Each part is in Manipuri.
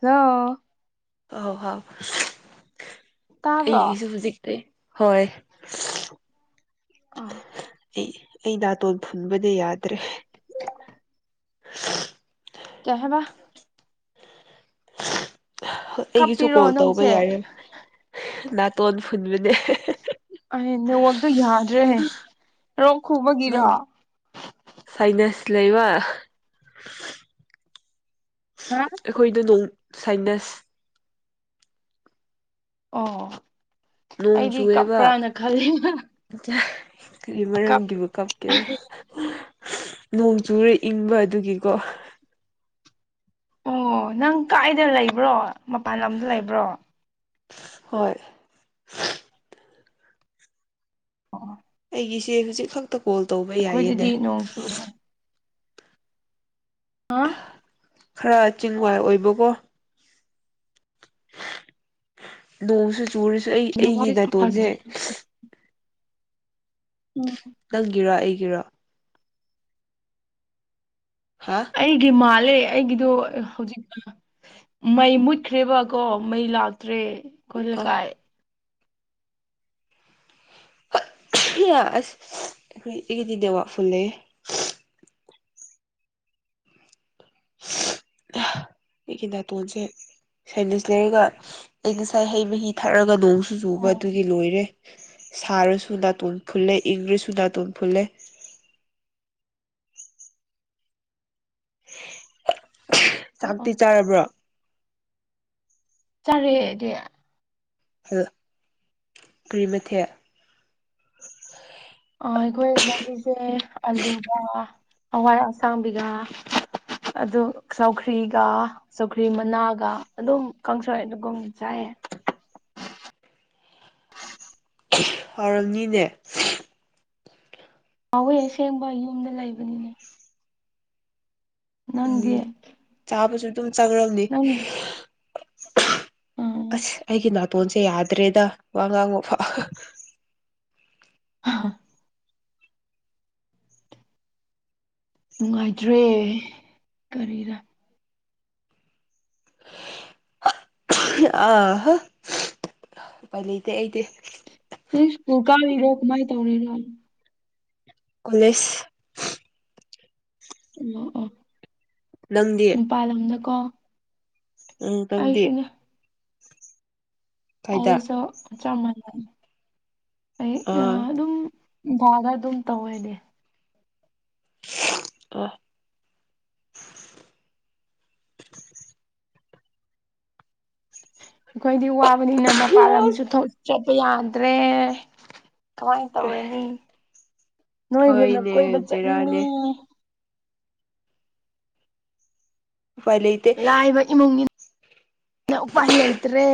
ꯍꯜꯂꯣ꯫ ꯑꯣ ꯍꯥꯎ ꯇꯥꯕ꯭ꯔꯣ ꯑꯩꯒꯤꯁꯨ ꯍꯧꯖꯤꯛ ꯑꯩ꯫ ꯍꯣꯏ꯫ ꯑꯥ꯫ ꯑꯩ ꯑꯩ ꯅꯥꯇꯣꯟ ꯐꯨꯟꯕꯅ ꯌꯥꯗ꯭ꯔꯦ꯫ [unintelligible] ꯀꯌꯥꯦꯕ ꯑꯩꯒꯤꯁꯨ ꯀꯞꯄꯤꯔꯣ ꯀꯣꯜ ꯇꯧꯕ ꯅꯪꯁꯦ ꯌꯥꯔꯦꯕ ꯅꯥꯇꯣꯟ ꯐꯨꯟꯕꯅꯦ ꯑꯩ ꯅꯦꯋꯥꯛꯇꯣ ꯌꯥꯗ꯭ꯔꯦꯍ ꯔꯣꯛ ꯈꯨꯕꯒꯤꯔꯣ ꯁꯥꯏꯅꯥꯁ ꯂꯩꯕ ꯍꯥ ꯑꯩꯈꯣꯏꯗ ꯅꯣꯡ ꯁꯥꯏꯅꯁ ꯑꯣ ꯅꯣꯡ ꯑꯩꯗꯤ ꯆꯨꯑꯦꯕ ꯀꯞꯄ꯭ꯔꯥꯅ ꯈꯜꯂꯤ ꯀꯔꯤ ꯀꯞ ꯃꯔꯝꯒꯤꯕꯨ ꯀꯞꯀꯦꯔ꯫ ꯅꯣꯡ ꯆꯨꯔ ꯏꯪꯕ ꯑꯗꯨꯒꯤꯀꯣ꯫ ꯑꯣ ꯅꯪ ꯀꯥꯏꯗ ꯂꯩꯕ꯭ꯔꯣ ꯃꯄꯥꯟ ꯂꯝꯗ ꯂꯩꯕ꯭ꯔꯣ꯫ ꯍꯣꯏ꯫ ꯑꯣ꯫ ꯑꯩꯒꯤꯁꯨ ꯍꯧꯖꯤꯛ ꯈꯛꯇ ꯀꯣꯜ ꯇꯧꯕ ꯌꯥꯏꯌꯦꯅꯦ꯫ ꯑꯩꯈꯣꯏꯗꯗꯤ ꯅꯣꯡ ꯆꯨꯔꯕ꯫ ꯍꯥꯥ ꯈꯔ ꯆꯤꯡꯋꯥꯏ ꯑꯣꯏꯕꯀꯣ ꯅꯣꯡꯁꯨ ꯆꯨꯔꯁꯨ ꯑꯩ ꯑꯩꯒꯤ ꯅꯦꯠꯋꯥꯛꯁꯦ ꯌꯥꯝ ꯅꯥꯇꯣꯟꯁꯦ ꯐꯖꯗ꯭ꯔꯦ ꯎꯝ ꯅꯪꯒꯤꯔꯣ ꯑꯩꯒꯤꯔꯣ ꯍꯥ ꯑꯩꯒꯤ ꯃꯥꯜꯂꯦ ꯑꯩꯒꯤꯗꯣ ꯍꯧꯖꯤꯛ ꯃꯩ ꯃꯨꯠꯈ꯭ꯔꯦꯕꯀꯣ ꯃꯩ ꯂꯥꯛꯇ꯭ꯔꯦ ꯑꯩꯈꯣꯏ ꯑ ꯂꯩꯀꯥꯏ ꯑꯁ ꯑꯩꯈꯣꯏ ꯑꯩꯒꯤꯗꯤ ꯗꯦꯋꯥ ꯐꯨꯜꯂꯦ ꯑꯩꯒꯤ ꯅꯥꯇꯣꯟꯁꯦ ꯁꯥꯏꯅꯤꯁ ꯂꯩꯔꯒ ꯑꯩ ꯉꯁꯥꯏ ꯍꯩ ꯃꯍꯤ ꯊꯛꯔꯒ ꯅꯣꯡ ꯁꯨꯖꯨꯕ ꯑꯣ ꯑꯗꯨꯒꯤ ꯂꯣꯏꯔꯦ ꯁꯥꯔꯁꯨ ꯅꯥꯇꯣꯟ ꯐꯨꯜꯂꯦ ꯏꯪꯔꯁꯨ ꯅꯥꯇꯣꯟ ꯐꯨꯜꯂꯦ ꯑꯣ ꯑꯣ ꯆꯥꯛꯇꯤ ꯆꯥꯔꯕ꯭ꯔꯣ ꯆꯔꯦꯗꯤ ꯍꯂꯣ ꯀꯔꯤ ꯃꯊꯦ ꯑ ꯑꯩꯈꯣꯏ ꯉꯁꯤꯁꯦ ꯑꯂꯨꯒ ꯍꯋꯥꯏ ꯑꯁꯥꯡꯕꯤꯒ ꯑꯗꯨ ꯆꯧꯈ꯭ꯔꯤꯒ ꯆꯧꯈ꯭ꯔꯤ ꯃꯅꯥꯒ ꯑꯗꯨꯝ ꯀꯥꯡꯁꯣꯛꯑꯦ ꯑꯗꯨꯒꯨꯝ ꯆꯥꯏꯑ ꯍꯥꯎꯔꯝꯅꯤꯅꯦ ꯀꯥꯎꯋꯦ ꯑꯁꯦꯡꯕ ꯌꯨꯝꯗ ꯂꯩꯕꯅꯤꯅꯦ ꯅꯪꯗꯤ ꯎꯝ ꯆꯥꯄꯁꯨ ꯊ ꯆꯒꯂ ꯅꯪ ꯎꯝ ꯑꯁ ꯑꯩꯒꯤ ꯅꯥꯇꯣꯟꯁꯦ ꯌꯥꯗ꯭ꯔꯦꯗ ꯋꯥ ꯉꯥꯡꯕ ꯎ ꯅꯨꯡꯉꯥꯏꯇ꯭ꯔꯦ ꯀꯔꯤꯗ ꯑꯍ ꯀꯅꯇꯩ ꯑꯩꯗꯤ ꯅ ꯁ꯭ꯀꯨꯜ ꯀꯥꯔꯤꯔꯣ ꯀꯃꯥꯏꯅ ꯇꯧꯔꯤꯅꯣ ꯀꯣꯂꯦꯁ ꯎꯝ ꯎꯝ ꯅꯪꯗꯤ ꯃꯄꯥꯥꯟꯜ ꯂꯝꯗ ꯀꯣ ꯎꯝ ꯇꯪꯗꯤꯦ ꯀꯥꯏꯗ ꯑꯩꯁꯨ ꯆꯃꯅ ꯑꯥ ꯥꯔ ꯑꯗꯨꯝ ꯇꯧꯋꯦꯅꯦ ꯑ ꯑꯩꯈꯣꯏꯗꯤ ꯋꯥꯕꯅꯤꯅ ꯃꯄꯥꯥꯟ ꯂꯝꯨ ꯆꯠꯄ ꯌꯥꯗ꯭ꯔꯦ ꯀꯃꯥꯏꯅ ꯇꯧꯔꯅꯤ ꯅꯣꯏꯕꯨꯅ ꯍꯣꯏꯅꯦ ꯀꯣꯏꯕ ꯕꯦꯔꯥꯅꯦ ꯆꯠꯅꯤꯡꯉꯤ [unintelligible] ꯂꯥꯏꯕ ꯏꯃꯨꯡꯅꯤ ꯎꯄꯥꯏ ꯂꯩꯇ꯭ꯔꯦ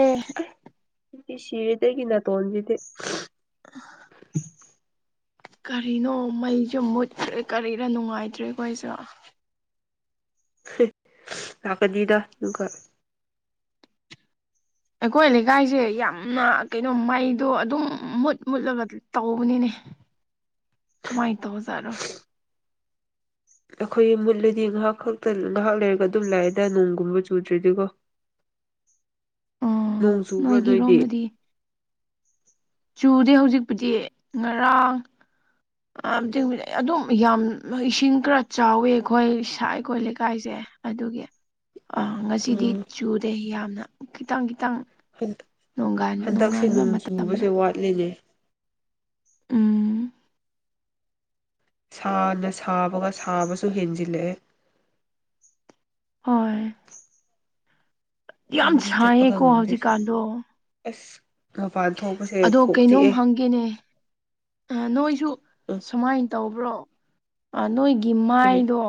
ꯁꯤꯔꯤꯗꯦ ꯑꯩꯒꯤ ꯇꯣꯟꯗꯗꯦ [inaudible] ꯀꯔꯤꯅꯣ ꯃꯩꯁꯨ ꯃꯨꯠꯇ꯭ꯔꯦ ꯀꯔꯤꯗ ꯅꯨꯡꯉꯥꯏꯇ꯭ꯔꯦꯈꯣꯏꯁꯨ ꯂꯥꯛꯀꯅꯤꯗ [unintelligible] ꯑꯩꯈꯣꯏ ꯂꯩꯀꯥꯏꯁꯦ ꯌꯥꯝꯅ ꯀꯩꯅꯣ ꯃꯩꯗꯣ ꯑꯗꯨꯝ ꯃꯨꯠ ꯃꯨꯠꯂꯒ ꯇꯧꯕꯅꯤꯅꯦ ꯀꯃꯥꯏꯅ ꯇꯧꯖꯥꯠꯔꯣ ꯑꯩꯈꯣꯏꯒꯤ ꯃꯨꯠꯂꯗꯤ ꯉꯥꯏꯍꯥꯛ ꯈꯛꯇ ꯉꯥꯏꯍꯥꯛ ꯂꯩꯔꯒ ꯑꯗꯨꯝ ꯂꯥꯛꯑꯦꯗ ꯅꯣꯡꯒꯨꯝꯕ ꯆꯨꯗ꯭ꯔꯦꯗꯤꯀꯣ ꯎꯝ ꯅꯣꯡ ꯆꯨꯕ꯭ꯔꯣ ꯅꯣꯏꯗꯤ ꯅꯣꯏꯒꯤꯔꯣꯝꯗꯗꯤ ꯆꯨꯗꯤ ꯍꯧꯖꯤꯛꯄꯨꯗꯤ ꯉꯔꯥꯡ ꯑꯗꯨꯝ ꯌꯥꯝ ꯏꯁꯤꯡ ꯈꯔ ꯆꯥꯎꯋꯦ ꯑꯩꯈꯣꯏ ꯏꯁ ꯑꯩꯈꯣꯏ ꯂꯩꯀꯥꯏꯁꯦ ꯑꯗꯨꯒꯤ ꯑ ꯉꯁꯤꯗꯤ ꯎꯝ ꯆꯨꯔꯦ ꯌꯥꯝꯅ ꯈꯤꯇꯪ ꯈꯤꯇꯪ ꯅꯣꯡꯒꯥꯟ ꯍꯟꯗꯛꯁꯦ ꯅꯣꯡꯉꯥꯟꯕ ꯅꯣꯡ ꯃꯇꯝꯗ ꯆꯨꯕꯁꯦ ꯋꯥꯠꯂꯤꯅꯦ ꯎꯝ ꯁꯥꯅ ꯁꯥꯕꯒ ꯁꯥꯕꯁꯨ ꯍꯦꯟꯖꯤꯜꯂꯛꯑꯦ ꯍꯣꯏ ꯌꯥꯝ ꯂꯝꯕꯤ ꯆꯠꯄꯒ ꯁꯥꯏꯌꯦꯀꯣ ꯉꯝꯗꯦ ꯍꯧꯖꯤꯛꯀꯥꯟꯗꯣ ꯑꯁ ꯃꯄꯥꯟ ꯊꯣꯛꯄꯁꯦ ꯑꯗꯣ ꯀꯣꯛ ꯆꯤꯛꯑꯦ [unintelligible] ꯅꯣꯏꯁꯨ ꯎꯝ ꯁꯨꯃꯥꯏꯅ ꯇꯧꯕ꯭ꯔꯣ ꯅꯣꯏꯒꯤ ꯀꯔꯤ ꯃꯥꯏꯗꯣ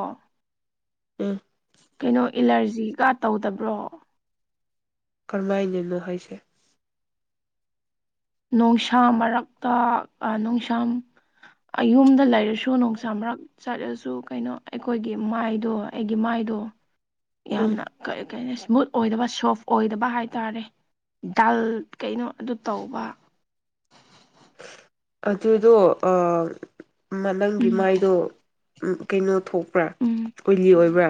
ꯎꯝ ꯀꯩꯅꯣ ꯑꯦꯂꯔꯖꯤꯒ ꯇꯧꯗꯕ꯭ꯔꯣ ꯀꯔꯝꯍꯥꯏꯅꯅꯣ ꯍꯥꯏꯁꯦ ꯅꯨꯡꯁꯥ ꯃꯔꯛꯇ ꯅꯨꯡꯁꯥ ꯑꯌꯨꯝꯗ ꯂꯩꯔꯁꯨ ꯅꯨꯡꯁꯥ ꯃꯔꯛ ꯆꯠꯂꯁꯨ ꯀꯩꯅꯣ ꯑꯩꯈꯣꯏꯒꯤ ꯃꯥꯏꯗꯣ ꯑꯩꯒꯤ ꯃꯥꯏꯗꯣ ꯎꯝ ꯌꯥꯝꯅ ꯀ ꯀ ꯏꯁꯃꯨꯠ ꯑꯣꯏꯗꯕ ꯁꯣꯐ ꯑꯣꯏꯗꯕ ꯍꯥꯏꯇꯥꯔꯦ ꯗꯥꯜ ꯀꯩꯅꯣ ꯑꯗꯨ ꯇꯧꯕ ꯑꯗꯨꯗꯣ ꯑꯥ ꯅꯪꯒꯤ ꯎꯝ ꯃꯥꯏꯗꯣ ꯀꯩꯅꯣ ꯊꯣꯛꯄ꯭ꯔꯥ ꯎꯝ ꯑꯣꯏꯂꯤ ꯑꯣꯏꯕ꯭ꯔꯥ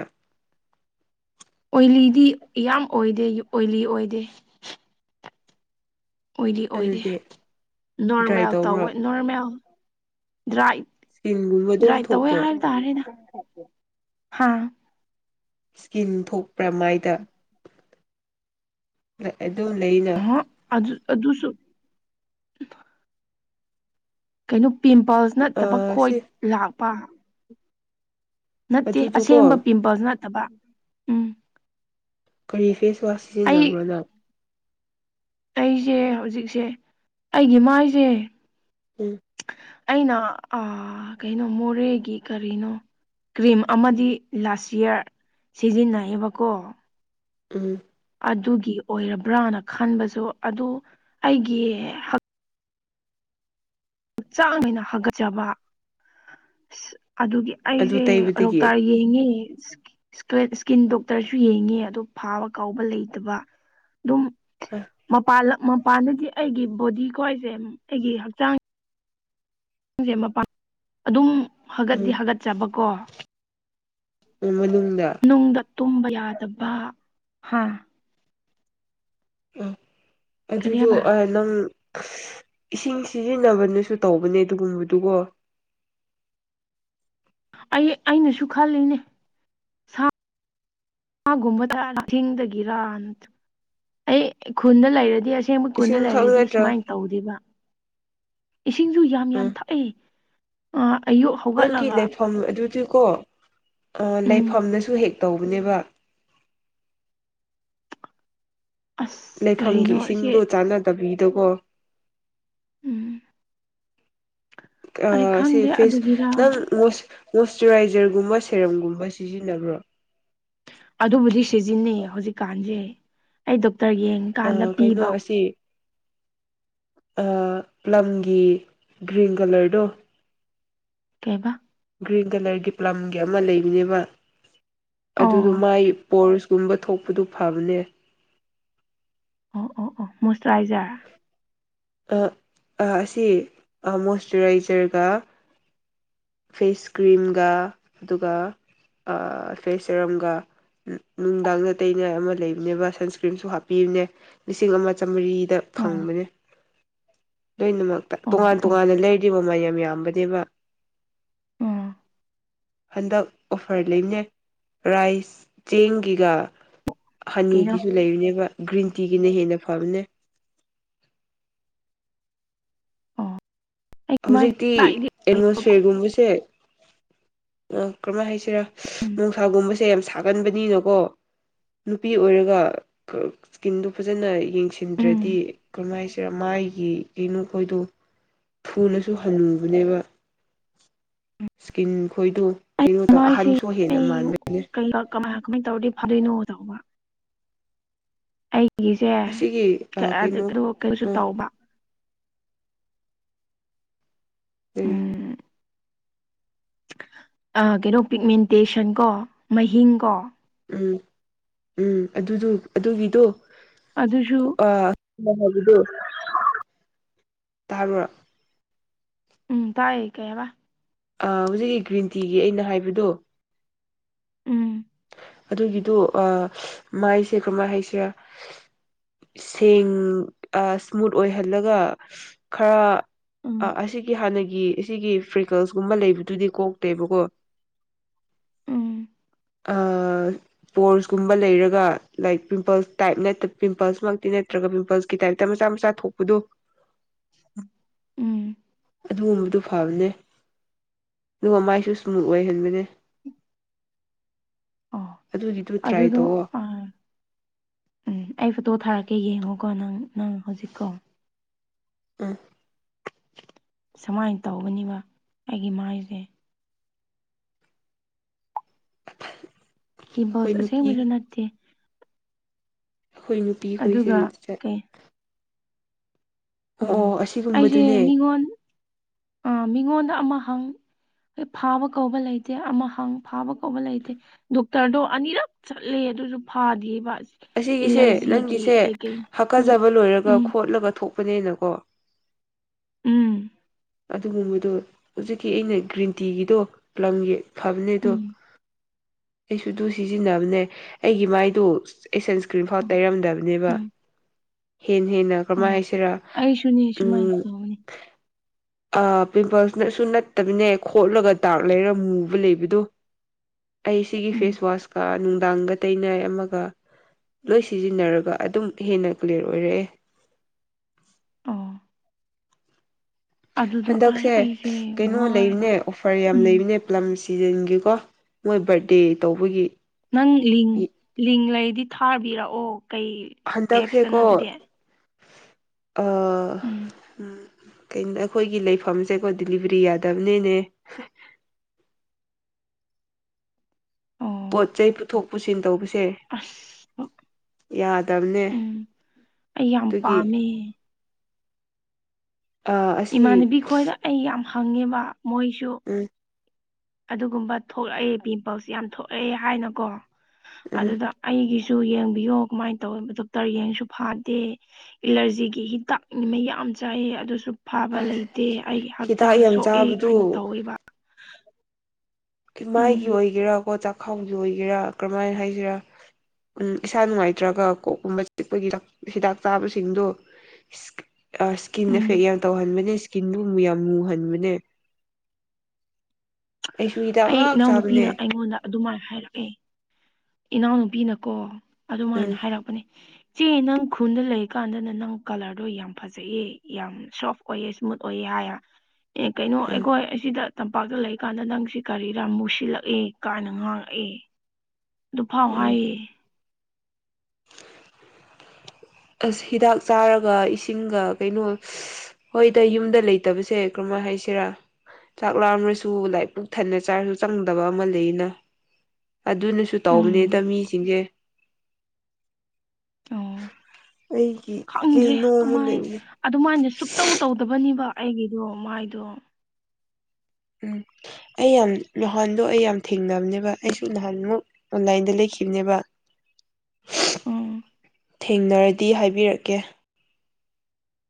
ꯑꯣꯏꯂꯤꯗꯤ ꯌꯥꯝ ꯑꯣꯏꯗꯦ ꯑꯣꯏꯂꯤ ꯑꯣꯏꯗꯦ ꯑꯣꯏꯗꯤ ꯑꯣꯏꯗꯦ ꯑꯗꯨꯗꯤ ꯗ꯭ꯔꯥꯏ ꯅꯣꯔꯃꯦꯜ ꯇꯧꯕ꯭ꯔꯣ ꯇꯧꯋꯦ ꯅꯣꯔꯃꯦꯜ ꯗ꯭ꯔꯥꯏ ꯏꯁꯀꯤꯟꯒꯨꯝꯕ ꯑꯗꯨꯝ ꯗ꯭ꯔꯥꯏ ꯇꯧꯋꯦ ꯊꯣꯛꯄ꯭ꯔꯣ ꯍꯥꯏꯕ ꯇꯥꯔꯦꯗ ꯍꯥ ꯁ꯭ꯀꯤꯟ ꯊꯣꯛꯄ꯭ꯔ ꯃꯥꯏꯗ ꯑꯗꯨꯝ ꯂꯩꯅ ꯑ ꯑꯗꯨ ꯑꯗꯨꯁꯨ ꯀꯩꯅꯣ ꯄꯤꯝꯄꯜꯁ ꯅꯠꯇꯕ ꯈꯣꯏꯠ ꯁꯤ ꯂꯥꯛꯄ ꯅꯠꯇꯦ ꯑꯁꯦꯡꯕ ꯑꯗꯨꯗꯨꯀꯣ ꯄꯤꯝꯄꯜꯁ ꯅꯠꯇꯕ ꯎꯝ ꯀꯔꯤ ꯐꯦꯁꯋꯥꯁ ꯑꯩ ꯁꯤꯖꯤꯟꯅꯕ꯭ꯔꯣꯅ ꯑꯩꯁꯦ ꯍꯧꯖꯤꯛꯁꯦ ꯑꯩꯒꯤ ꯃꯥꯏꯁꯦ ꯎꯝ ꯑꯩꯅ ꯀꯩꯅꯣ ꯃꯣꯔꯦꯒꯤ ꯀꯔꯤꯅꯣ ꯀ꯭ꯔꯤꯝ ꯑꯃꯗꯤ ꯂꯥꯁ ꯏꯌꯥꯔ ꯁꯤꯖꯤꯟꯅꯩꯌꯦꯕꯀꯣ ꯎꯝ ꯑꯗꯨꯒꯤ ꯑꯣꯏꯔꯕ꯭ꯔꯥꯅ ꯈꯟꯕꯁꯨ ꯑꯗꯨ ꯑꯩꯒꯤ ꯆꯥꯡꯅꯦꯏꯅ ꯍꯥꯒꯠꯆꯕ ꯑꯁ ꯑꯗꯨꯒꯤ ꯑꯗꯨ ꯑꯩꯁꯦ ꯇꯩꯕꯗꯒꯤ [unintelligible] [unintelligible] ꯏꯁꯀꯤꯟ ꯗꯣꯛꯇꯔꯁꯨ ꯌꯦꯡꯉꯤ ꯑꯣ ꯐꯥꯕ ꯀꯥꯎꯕ ꯂꯩꯇꯕ ꯑꯗꯨꯝ ꯃꯄꯥꯟ ꯃꯄꯥꯟꯗꯗꯤ ꯑꯩꯒꯤ ꯕꯣꯗꯤꯀꯣ ꯑꯩꯁꯦ ꯑꯩꯒꯤ ꯍꯛꯆꯥꯡ ꯁꯦ ꯃꯄꯥꯡ ꯑꯗꯨꯝ ꯍꯥꯒꯠꯗꯤ ꯎꯝ ꯍꯥꯒꯠꯆꯕꯀꯣ ꯎ ꯃꯅꯨꯡꯗ ꯅꯨꯡꯗ ꯇꯨꯝꯕ ꯌꯥꯗꯕ ꯍꯥ ꯑ ꯀꯔꯤ ꯑꯗꯨꯁꯨ ꯍꯥꯏꯕ ꯅꯪ ꯏꯁꯤꯡ ꯁꯤꯖꯤꯟꯅꯕꯅꯁꯨ ꯇꯧꯕꯅꯦ ꯑꯗꯨꯒꯨꯝꯕꯗꯨꯒꯣ ꯑꯩ ꯑꯩꯅꯁꯨ ꯈꯜꯂꯤꯅꯦ ꯃꯥꯒꯨꯝꯕ ꯇꯥ ꯑꯤꯡꯗꯒꯤꯔ ꯑꯩ ꯈꯨꯟꯗ ꯂꯩꯔꯗꯤ ꯑ ꯑꯁꯦꯡꯕ ꯀꯨꯟꯗ ꯏꯁꯤꯡꯈꯛ ꯂꯩꯔꯗꯤ ꯅꯠꯇ꯭ꯔꯥ ꯁꯨꯃꯥꯏꯅ ꯇꯧꯗꯔꯤꯕ ꯏꯁꯤꯡꯁꯨ ꯌꯥꯝ ꯌꯥꯝ ꯎꯝ ꯊꯛꯏ ꯑ ꯑꯌꯨ ꯅꯪꯒꯤ ꯂꯩꯐꯝ ꯑꯗꯨꯗꯤꯀꯣ ꯎꯝ ꯂꯩꯐꯝꯅꯁꯨ ꯍꯦꯛ ꯇꯧꯕꯅꯦꯕ ꯑꯁ ꯂꯩꯐꯝꯒꯤ ꯀꯔꯤꯅꯣ ꯑꯁꯤ ꯏꯁꯤꯡꯗꯣ ꯆꯥꯟꯅꯗꯕꯤꯗꯀꯣ ꯎꯝ ꯑ ꯑꯩ ꯁꯤ ꯈꯪꯗꯦ ꯐꯦꯁ ꯑꯗꯨꯒꯤꯔ ꯅꯪ ꯃꯣꯏꯆꯔꯥꯏꯖꯔꯒꯨꯝꯕ ꯁꯦꯔꯝꯒꯨꯝꯕ ꯁꯤꯖꯤꯟꯅꯕ꯭ꯔꯣ ꯑꯗꯨꯕꯨꯗꯤ ꯁꯤꯖꯤꯟꯅꯩ ꯍꯧꯖꯤꯛꯀꯥꯟꯁꯦ ꯑꯩ ꯗꯣꯛꯇꯔ ꯌꯦꯡꯀꯥꯟꯗ ꯑ ꯄꯤꯕ ꯀꯩꯅꯣ ꯑꯥ ꯄꯂꯝꯒꯤ ꯒ꯭ꯔꯤꯟ ꯀꯂꯔꯗꯣ ꯀꯩꯕꯥ ꯒ꯭ꯔꯤꯟ ꯀꯂꯔꯒꯤ ꯄꯂꯝꯒꯤ ꯑꯃ ꯂꯩꯕꯅꯦꯕ ꯑꯣ ꯑꯗꯨꯗꯣ ꯃꯥꯏ ꯄꯣꯔꯁ ꯇꯨꯝꯕ ꯊꯣꯛꯄꯗꯨ ꯐꯕꯅꯦ ꯑꯣ ꯑꯣ ꯑꯣ ꯃꯣꯏꯁꯔꯥꯏꯖꯔ ꯑꯁꯤ ꯃꯣꯏꯆꯔꯥꯏꯖꯔꯒ ꯐꯦꯁ ꯀ꯭ꯔꯤꯝꯒ ꯑꯗꯨꯒ ꯐꯦꯁ ꯁꯦꯔꯝꯒ ꯅꯨꯡꯗꯥꯡ ꯇꯩꯅꯩꯅ ꯑꯃ ꯂꯩꯕꯅꯦꯕ ꯁꯟꯁꯀ꯭ꯔꯤꯟꯁꯨ ꯍꯥꯞꯄꯤꯕꯅꯦ ꯂꯤꯁꯤꯡ ꯑꯃ ꯆꯥꯃꯔꯤꯗ ꯑꯥ ꯐꯪꯕꯅꯤ ꯂꯣꯏꯅꯃꯛꯇ ꯑꯣ ꯇꯣꯉꯥꯟ ꯑꯣ ꯇꯣꯉꯥꯟꯅ ꯂꯩꯔꯤꯕ ꯃꯌꯥꯝ ꯌꯥꯝꯕꯅꯦꯕ ꯎꯝ ꯍꯟꯗꯛ ꯑꯣꯐꯔ ꯂꯩꯅꯦ ꯔꯥꯏꯁ ꯆꯦꯡꯒꯤꯒ ꯀꯩꯅꯣ ꯍꯅꯤꯒꯤꯁꯨ ꯂꯩꯔꯤꯨꯅꯦꯕ ꯒ꯭ꯔꯤꯟ ꯇꯤꯒꯤꯅ ꯍꯦꯟꯅ ꯐꯕꯅꯦ ꯑꯣ ꯑꯩ ꯍꯧꯖꯤꯛꯇꯤ ꯃꯥꯏꯗꯤ ꯑꯦꯠꯃꯣꯁꯐꯤꯌꯔꯒꯨꯝꯕꯁꯦ ꯑ ꯀꯔꯝꯍꯥꯏꯅ ꯍꯥꯏꯁꯤꯔꯥ ꯎꯝ ꯅꯨꯡꯁꯥꯒꯨꯝꯕꯁꯦ ꯌꯥꯝ ꯁꯥꯒꯟꯕꯅꯤꯅꯀꯣ ꯅꯨꯄꯤ ꯑꯣꯏꯔꯒ ꯏꯁꯀꯤꯝꯗꯨ ꯐꯖꯅ ꯎꯝ ꯌꯦꯡꯁꯤꯟꯗ꯭ꯔꯗꯤ ꯀꯔꯝꯍꯥꯏ ꯁꯤꯔ ꯃꯥꯏꯒꯤ ꯀꯩꯅꯣꯈꯣꯏꯗꯣ ꯊꯨꯅꯁꯨ ꯍꯜꯂꯨꯕꯅꯦꯕ ꯏꯁꯀꯤꯟ ꯈꯣꯏꯗꯨ ꯑꯩ ꯀꯩꯅꯣ ꯇ ꯃꯥꯏꯁꯦ ꯑꯍꯟꯁꯨ ꯍꯦꯟꯅ ꯑꯩ ꯃꯥꯟꯕ ꯀꯩ ꯀꯃꯥꯏ ꯀꯃꯥꯏꯅ ꯇꯧꯔꯗꯤ ꯐꯗꯣꯏꯅꯣ ꯇꯧꯕ ꯑꯁꯤꯒꯤ ꯑꯩꯒꯤꯁꯦꯩꯅ ꯀꯩꯅꯣ ꯀꯩꯁꯨ ꯎꯝ ꯇꯧꯕ ꯎꯝ ꯎꯝ ꯀꯩꯅꯣ ꯄꯤꯛꯃꯦꯟꯇꯦꯁꯟ ꯀꯣ ꯃꯍꯤꯡ ꯀꯣ ꯎꯝ ꯎꯝ ꯑꯗꯨꯗꯨ ꯑꯗꯨꯒꯤꯗꯣ ꯑꯗꯨꯁꯨ ꯍ ꯍꯥꯏꯕꯤꯗꯨ ꯇꯕ ꯎꯝ ꯇꯥꯏ ꯀꯌꯥꯕ ꯍꯧꯖꯤꯛꯀꯤ ꯒ꯭ꯔꯤꯟ ꯇꯤꯒꯤ ꯑꯩꯅ ꯍꯥꯏꯕꯗꯣ ꯎꯝ ꯑꯗꯨꯒꯤꯗꯣ ꯃꯥꯏꯁꯦ ꯀꯔꯃꯥꯏꯅ ꯍꯥꯏꯁꯤꯔ ꯁꯦꯡ ꯏꯁꯃꯨꯠ ꯑꯣꯏꯍꯜꯂꯒ ꯈꯔ ꯑ ꯎꯝ ꯑꯁꯤꯒꯤ ꯍꯥꯟꯅꯒꯤ ꯑꯁꯤꯒꯤ ꯐ꯭ꯔꯤꯀꯜꯁꯀꯨꯝꯕ ꯂꯩꯕꯗꯨꯗꯤ ꯀꯣꯛꯇꯦꯕꯀꯣ ꯎꯝ ꯑꯥ ꯏꯁꯄꯣꯔꯁꯀꯨꯝꯕ ꯂꯩꯔꯒ ꯂꯥꯏꯛ ꯄꯤꯝꯄꯜꯁ ꯇꯥꯏꯞ ꯅꯠꯇ ꯄꯤꯝꯄꯜꯁꯃꯛꯇꯤ ꯅꯠꯇ꯭ꯔꯒ ꯄꯤꯝꯄꯜꯁ ꯒꯤ ꯇꯥꯏꯞꯇ ꯃꯆꯥ ꯃꯆꯥ ꯊꯣꯛꯄꯗꯣ ꯎꯝ ꯑꯗꯨꯒꯨꯝꯕꯗꯨ ꯐꯕꯅꯦ ꯑꯗꯨꯒ ꯃꯥꯏꯁꯨ ꯏꯁꯃꯨꯠ ꯑꯣꯏꯍꯟꯕꯅꯦ ꯑꯗꯨꯒꯤꯗꯨ ꯇ꯭ꯔꯥꯏ ꯑꯗꯨꯗꯣ ꯇꯧꯋꯣ ꯑ ꯑꯩ ꯐꯣꯇꯣ ꯊꯥꯔꯛꯀꯦ ꯌꯦꯡꯉꯣꯀꯣ ꯅꯪ ꯅꯪ ꯍꯧꯖꯤꯛꯀꯣ ꯎꯝ ꯁꯨꯃꯥꯏꯅ ꯇꯧꯕꯅꯤꯕ ꯑꯩꯒꯤ ꯃꯥꯏꯁꯦ ꯑꯩꯈꯣꯏ ꯄꯤꯝꯄꯜꯁ ꯅꯨꯄꯤ ꯑꯁꯦꯡꯕꯁꯨ ꯅꯠꯇꯦ ꯑꯩꯈꯣꯏ ꯅꯨꯄꯤ ꯈꯣꯏꯁꯦ ꯑꯗꯨꯒ [unintelligible] ꯀꯩ ꯑꯣ ꯎꯝ ꯑꯣ ꯑꯩꯁꯦ ꯑꯁꯤꯒꯨꯝꯕꯗꯨꯅꯦ ꯃꯤꯉꯣꯟ ꯑ ꯃꯤꯉꯣꯟꯗ ꯑꯃ ꯍꯪ ꯐꯥꯕ ꯀꯧꯕ ꯂꯩꯇꯦ ꯑꯃ ꯍꯪ ꯐꯥꯕ ꯀꯧꯕ ꯂꯩꯇꯦ ꯗꯣꯛꯇꯔꯗꯣ ꯑꯅꯤꯔꯛ ꯆꯠꯂꯦ ꯑꯗꯨꯁꯨ ꯐꯥꯗꯦꯕꯁ ꯑꯁꯤꯒꯤꯁꯦ ꯅꯪꯒꯤꯁꯦ ꯎꯝ ꯍꯥꯛꯀꯖꯕ ꯂꯣꯏꯔꯒ ꯎꯝ ꯈꯣꯠꯂꯒ ꯊꯣꯛꯄꯅꯦꯅꯀꯣ ꯎꯝ ꯑꯗꯨꯒꯨꯝꯕꯗꯣ ꯍꯧꯖꯤꯛꯀꯤ ꯑꯩꯅ ꯒ꯭ꯔꯤꯟ ꯇꯤꯒꯤꯗꯣ ꯂꯝꯒꯤ ꯐꯕꯅꯦ ꯑꯗꯣ ꯎꯝ ꯑꯩꯁꯨ ꯑꯗꯨ ꯁꯤꯖꯤꯟꯅꯕꯅꯦ ꯑꯩꯒꯤ ꯃꯥꯏꯗꯣ ꯑꯩ ꯁꯟꯁ꯭ꯀ꯭ꯔꯤꯟ ꯐꯥꯎ ꯑꯥ ꯇꯩꯔꯝꯗꯕꯅꯦꯕ ꯎꯝ ꯍꯦꯟꯅ ꯍꯦꯟꯅ ꯀꯔꯝꯍꯥꯏꯅ ꯍꯥꯏꯁꯤꯔꯥ ꯑꯩ ꯁꯨꯅꯤꯁ ꯃꯥꯏ ꯇ ꯍꯣꯅꯤ ꯑ ꯄꯤꯝꯄꯜꯁꯅꯁꯨ ꯅꯠꯇꯕꯅꯦ ꯈꯣꯠꯂꯒ ꯗꯥꯛ ꯂꯩꯔ ꯃꯨꯕ ꯂꯩꯕꯗꯣ ꯑꯩ ꯁꯤꯒꯤ ꯎꯝ ꯐꯦꯁꯋꯥꯁꯀ ꯅꯨꯡꯗꯥꯡꯒ ꯇꯩꯅꯩ ꯑꯃꯒ ꯂꯣꯏ ꯁꯤꯖꯤꯟꯅꯔꯒ ꯑꯗꯨꯝ ꯍꯦꯟꯅ ꯀ꯭ꯂꯤꯌꯥꯔ ꯑꯣꯏꯔꯛꯑꯦ ꯑꯣ ꯑꯗꯨꯗꯣ ꯑꯩ ꯍꯟꯗꯛꯁꯦ ꯑꯩꯁꯦ ꯀꯩꯅꯣ ꯋꯥꯔꯒ ꯂꯩꯕꯅꯦ ꯑꯣꯐꯔ ꯌꯥꯝ ꯎꯝ ꯂꯩꯕꯅꯦ ꯄꯂꯝ ꯁꯤꯖꯟꯒꯤꯀꯣ ꯃꯣꯏ ꯕꯥꯔꯗꯦ ꯇꯧꯕꯒꯤ ꯅꯪ ꯂꯤꯡ ꯂꯤꯡ ꯂꯩꯔꯗꯤ ꯊꯥꯕꯤꯔꯛꯑꯣ ꯀꯩ ꯑꯦꯞꯁꯇꯅꯣ ꯍꯟꯇꯛꯁꯦꯀꯣ ꯑꯗꯨꯗꯤ ꯑꯥ ꯎꯝ ꯀꯩꯅꯣ ꯑꯩꯈꯣꯏꯒꯤ ꯂꯩꯐꯝꯁꯦꯀꯣ ꯗꯤꯂꯤꯕꯔꯤ ꯌꯥꯗꯕꯅꯤꯅꯦ ꯑꯣ ꯄꯣꯠ ꯆꯩ ꯄꯨꯊꯣꯛ ꯄꯨꯁꯤꯟ ꯇꯧꯕꯁꯦ ꯑꯁ ꯌꯥꯗꯕꯅꯦ ꯎꯝ ꯑꯩ ꯌꯥꯝ ꯑꯗꯨꯒꯤ ꯄꯥꯝꯃꯦ ꯑꯥ ꯑꯁꯤ ꯏꯃꯥꯟꯅꯕꯤ ꯈꯣꯏꯗ ꯑꯩ ꯌꯥꯝ ꯍꯪꯉꯦꯕ ꯃꯣꯏꯁꯨ ꯎꯝ ꯑꯗꯨꯒꯨꯝꯕ ꯊꯣꯛꯂꯛꯑꯦ ꯄꯤꯝꯄꯜꯁ ꯌꯥꯝ ꯊꯣꯛꯂꯛꯑꯦ ꯍꯥꯏꯅꯀꯣ ꯎꯝ ꯑꯗꯨꯗ ꯑꯩꯒꯤꯁꯨ ꯌꯦꯡꯕꯤꯌꯣ ꯀꯃꯥꯏꯅ ꯇꯧꯋꯤ ꯗꯣꯛꯇꯔ ꯌꯦꯡꯁꯨ ꯐꯥꯗꯦ ꯑꯦꯂꯔꯖꯤꯒꯤ ꯍꯤꯗꯥꯛꯅꯤ ꯃꯩꯌꯥꯝ ꯆꯥꯏꯌꯦ ꯑꯗꯨꯁꯨ ꯐꯥꯕ ꯑꯁ ꯂꯩꯇꯦ ꯑꯩ ꯍꯤꯗꯥꯛ ꯍꯛꯆꯥꯡ ꯌꯥꯝ ꯁꯣꯛꯑꯦ ꯆꯥꯕꯗꯨ ꯀꯥꯏꯅ ꯇꯧꯋꯦꯕ ꯃꯥꯏꯒꯤ ꯎꯝ ꯑꯣꯏꯒꯦꯔꯥ ꯀꯣ ꯆꯥꯛꯈꯥꯎꯒꯤ ꯑꯣꯏꯒꯦꯔꯥ ꯀꯔꯝꯃꯥꯏꯅ ꯍꯥꯏꯁꯤꯔꯥ ꯎ ꯏꯁꯥ ꯅꯨꯡꯉꯥꯏꯇ꯭ꯔꯒ ꯀꯣꯛꯀꯨꯝꯕ ꯆꯤꯛꯄꯒꯤ ꯍꯤꯗꯥꯛ ꯆꯥꯕꯁꯤꯡꯗꯣ ꯑꯥ ꯏꯁꯀꯤꯟ ꯑꯦꯐꯦꯛ ꯎꯝ ꯌꯥꯝ ꯇꯧꯍꯟꯕꯅꯦ ꯏꯁꯀꯤꯟꯗꯨ ꯌꯥꯝ ꯃꯨꯍꯟꯕꯅꯦ ꯑꯩꯁꯨ ꯍꯤꯗꯥꯛ ꯑꯩ ꯉꯥꯛ ꯏꯅꯥꯎꯅꯨꯄꯤꯅ ꯆꯥꯕꯅꯦ ꯑꯩꯉꯣꯟꯗ ꯑꯗꯨꯃꯥꯏꯅ ꯍꯥꯏꯔꯛꯑꯦ ꯏꯅꯥꯎꯅꯨꯄꯤꯅꯀꯣ ꯎꯝ ꯑꯗꯨꯃꯥꯏꯅ ꯍꯥꯏꯔꯛꯄꯅꯦ ꯆꯦ ꯅꯪ ꯈꯨꯟꯗ ꯂꯩꯀꯥꯟꯗꯅ ꯅꯪ ꯀꯂꯔꯗꯣ ꯌꯥꯝ ꯐꯖꯩꯑꯦ ꯌꯥꯝ ꯁꯣꯐ ꯑꯣꯏꯌꯦ ꯏꯁꯃꯨꯠ ꯑꯣꯏꯌꯦ ꯍꯥꯏꯌꯦ ꯑꯦ ꯀꯩꯅꯣ ꯎꯝ ꯑꯩꯈꯣꯏ ꯑꯁꯤꯗ ꯇꯝꯄꯥꯛꯇ ꯂꯩꯀꯥꯟꯗ ꯅꯪꯁꯤ ꯀꯔꯤꯔ ꯃꯨꯁꯤꯜꯂꯛꯑꯦ ꯀꯥꯏꯅ ꯉꯥꯡꯉꯛꯑꯦ ꯑꯗꯨꯐꯥꯎ ꯎꯝ ꯍꯥꯏꯌꯦ ꯑꯁ ꯍꯤꯗꯥꯛ ꯆꯥꯔꯒ ꯏꯁꯤꯡꯒ ꯀꯩꯅꯣ ꯍꯣꯏꯗ ꯌꯨꯝꯗ ꯂꯩꯇꯕꯁꯦ ꯀꯔꯝꯍꯥꯏ ꯍꯥꯏꯁꯤꯔꯥ ꯆꯥꯛ ꯂꯥꯝꯔꯁꯨ ꯂꯥꯏꯛ ꯄꯨꯛ ꯊꯟꯅ ꯆꯥꯔꯁꯨ ꯆꯪꯗꯕ ꯑꯃ ꯂꯩꯅ ꯑꯗꯨꯅꯁꯨ ꯁꯨ ꯇꯧꯕꯅꯤꯗ ꯎꯝ ꯃꯤꯁꯤꯡꯁꯦ ꯑꯣ ꯑꯩꯒꯤ ꯈꯪꯗ꯭ꯔꯦ ꯀꯩꯅꯣꯝꯃ ꯀꯃꯥꯏ ꯂꯩꯕꯅꯦ ꯑꯗꯨꯃꯥꯏꯅ ꯁꯨꯛꯇꯧ ꯇꯧꯗꯕꯅꯤꯕ ꯑꯩꯒꯤꯗꯣ ꯃꯥꯏꯗꯣ ꯎꯝ ꯑꯩ ꯌꯥꯝ ꯅꯍꯥꯟꯗꯣ ꯑꯩ ꯌꯥꯝ ꯊꯦꯡꯅꯕꯅꯦꯕ ꯑꯩꯁꯨ ꯅꯍꯥꯟꯃꯨꯛ ꯑꯣꯟꯂꯥꯏꯟꯗ ꯂꯩꯈꯤꯕꯅꯦꯕ ꯎꯝ ꯊꯦꯡꯅꯔꯗꯤ ꯍꯥꯏꯕꯤꯔꯛꯀꯦ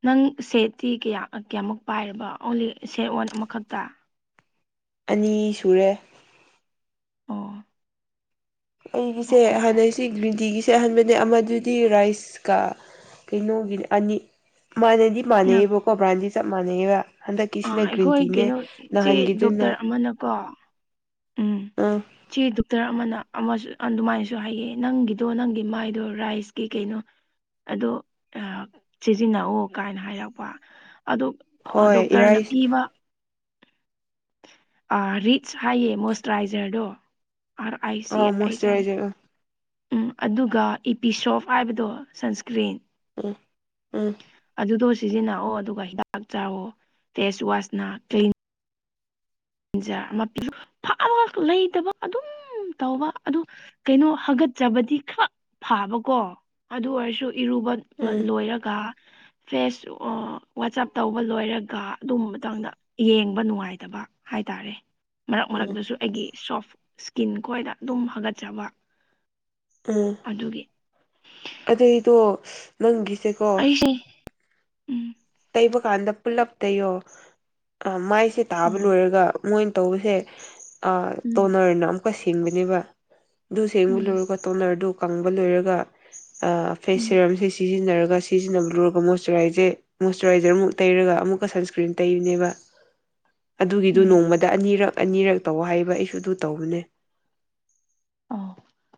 ꯅꯪ ꯁꯦꯠꯇꯤ ꯀꯌꯥ ꯀꯌꯥꯃꯨꯛ ꯄꯥꯏꯔꯕ ꯑꯣꯡꯂꯤ ꯁꯦꯠ ꯋꯥꯟ ꯑꯃꯈꯛꯇ ꯑꯅꯤ ꯁꯨꯔꯦ ꯑꯣ ꯑꯣ ꯑꯩꯒꯤꯁꯦ ꯑꯣ ꯑꯣ ꯍꯥꯟꯅꯛꯁꯤ ꯒ꯭ꯔꯤꯟ ꯇꯤꯒꯤ ꯁꯦꯠꯍꯟꯕꯅꯦ ꯑꯃꯗꯨꯗꯤ ꯔꯥꯏꯁꯀ ꯀꯩꯅꯣꯒꯤꯅꯦ ꯑꯅꯤ ꯃꯥꯟꯅꯗꯤ ꯆꯞ ꯃꯥꯟꯅꯩꯕꯀꯣ ꯕ꯭ꯔꯥꯟꯗꯤ ꯆꯞ ꯃꯥꯟꯅꯩꯑꯕ ꯑꯥ ꯍꯟꯗꯛꯀꯤꯁꯤꯅ ꯒ꯭ꯔꯤꯟ ꯇꯤꯅꯦ ꯅꯥꯍꯟꯈꯤꯗꯨꯅ ꯃꯥꯅꯀꯣ ꯎꯝ ꯑꯝ ꯆꯦ ꯗꯣꯛꯇꯔ ꯑꯃꯅ ꯑꯃꯁ ꯑꯗꯨꯃꯥꯏꯅꯁꯨ ꯍꯥꯏꯌꯦ ꯅꯪꯒꯤꯗꯣ ꯅꯪꯒꯤ ꯃꯥꯏꯗꯣ ꯔꯥꯏꯁꯀꯤ ꯀꯩꯅꯣ ꯑꯗꯣ ꯁꯤꯖꯤꯟꯅꯑꯣ ꯀꯥꯏꯅ ꯍꯥꯏꯔꯛꯄ ꯑꯗꯣ ꯍꯣꯏ ꯗꯣꯛꯇꯔꯅ ꯏꯔꯥꯏꯁ ꯄꯤꯕ ꯑꯥ ꯔꯤꯆ ꯍꯥꯏꯌꯦ ꯃꯣꯏꯆꯔꯥꯏꯖꯔꯗꯣ ꯑꯥꯔ ꯑꯩꯥꯏ ꯁꯤ ꯑꯥ ꯑꯩꯁ ꯍꯥꯏꯅ ꯃꯣꯏꯆꯔꯥꯏꯖꯔ ꯎꯝ ꯑꯗꯨꯒ ꯏꯄꯤ ꯁꯣꯞ ꯍꯥꯏꯕꯗꯣ ꯁꯟꯁꯀ꯭ꯔꯤꯟ ꯎꯝ ꯎꯝ ꯑꯗꯨꯗꯣ ꯁꯤꯖꯤꯟꯅꯑꯣ ꯑꯗꯨꯒ ꯍꯤꯗꯥꯛ ꯆꯥꯑꯣ ꯐꯦꯁ ꯋꯥꯁꯅ ꯀ꯭ ꯄꯤꯟꯖꯔ ꯑꯃ ꯄꯤ ꯐꯑꯒ ꯂꯩꯇꯕ ꯑꯗꯨꯝ ꯇꯧꯕ ꯑꯗꯨ ꯀꯩꯅꯣ ꯍꯥꯒꯠꯆꯕꯗꯤ ꯈꯔ ꯐꯥꯕꯀꯣ ꯑꯗꯨ ꯑꯣꯏꯔꯁꯨ ꯏꯔꯨꯕ ꯎꯝ ꯂꯣꯏꯔꯒ ꯐꯦꯁ ꯋꯥꯆꯞ ꯇꯧꯕ ꯂꯣꯏꯔꯒ ꯑꯗꯨꯝꯕ ꯃꯇꯥꯡꯗ ꯌꯦꯡꯕ ꯅꯨꯡꯉꯥꯏꯇꯕ ꯍꯥꯏꯇꯥꯔꯦ ꯃꯔꯛ ꯎꯝ ꯃꯔꯛꯇꯁꯨ ꯑꯩꯒꯤ ꯁꯣꯐ ꯏꯁꯀꯤꯟ ꯈꯣꯏꯗ ꯑꯗꯨꯝ ꯍꯥꯒꯠꯆꯕ ꯎꯝ ꯑꯗꯨꯒꯤ ꯑꯗꯩꯗꯣ ꯅꯪꯒꯤꯁꯦ ꯑꯩꯁꯤ ꯇꯩꯕ ꯀꯥꯟꯗ ꯄꯨꯂꯞ ꯇꯩꯌꯣ ꯑ ꯃꯥꯏꯁꯦ ꯇꯥꯕ ꯑꯥ ꯂꯣꯏꯔꯒ ꯃꯣꯏꯅ ꯇꯧꯕꯁꯦ ꯎꯝ ꯇꯣꯅꯔꯅ ꯑꯃꯨꯛꯀ ꯁꯤꯡꯕꯅꯦꯕ ꯑꯗꯨ ꯁꯦꯡꯕ ꯎꯝ ꯂꯣꯏꯔꯒ ꯇꯣꯂꯔꯗꯨ ꯀꯪꯕ ꯂꯣꯏꯔꯒ ꯐꯦꯁ ꯎꯝ ꯁꯤꯔꯝꯁꯤ ꯁꯤꯖꯤꯟꯅꯔꯒ ꯁꯤꯖꯤꯟꯅꯕ ꯂꯨꯔꯒ ꯃꯣꯏꯆꯔꯥꯏꯖꯦ ꯃꯣꯏꯆꯔꯥꯏꯖꯔꯃꯨꯛ ꯇꯩꯔꯒ ꯑꯃꯨꯛꯀ ꯁꯟꯁꯀ꯭ꯔꯤꯟ ꯇꯩꯔꯤꯅꯦꯕ ꯑꯗꯨꯒꯤꯗꯨ ꯎꯝ ꯅꯣꯡꯃ ꯗ ꯑꯅꯤꯔꯛ ꯑꯅꯤꯔꯛ ꯇꯧꯕ ꯍꯥꯏꯕ ꯑꯩꯁꯨ ꯑꯗꯨ ꯇꯧꯕꯅꯦ ꯑꯣ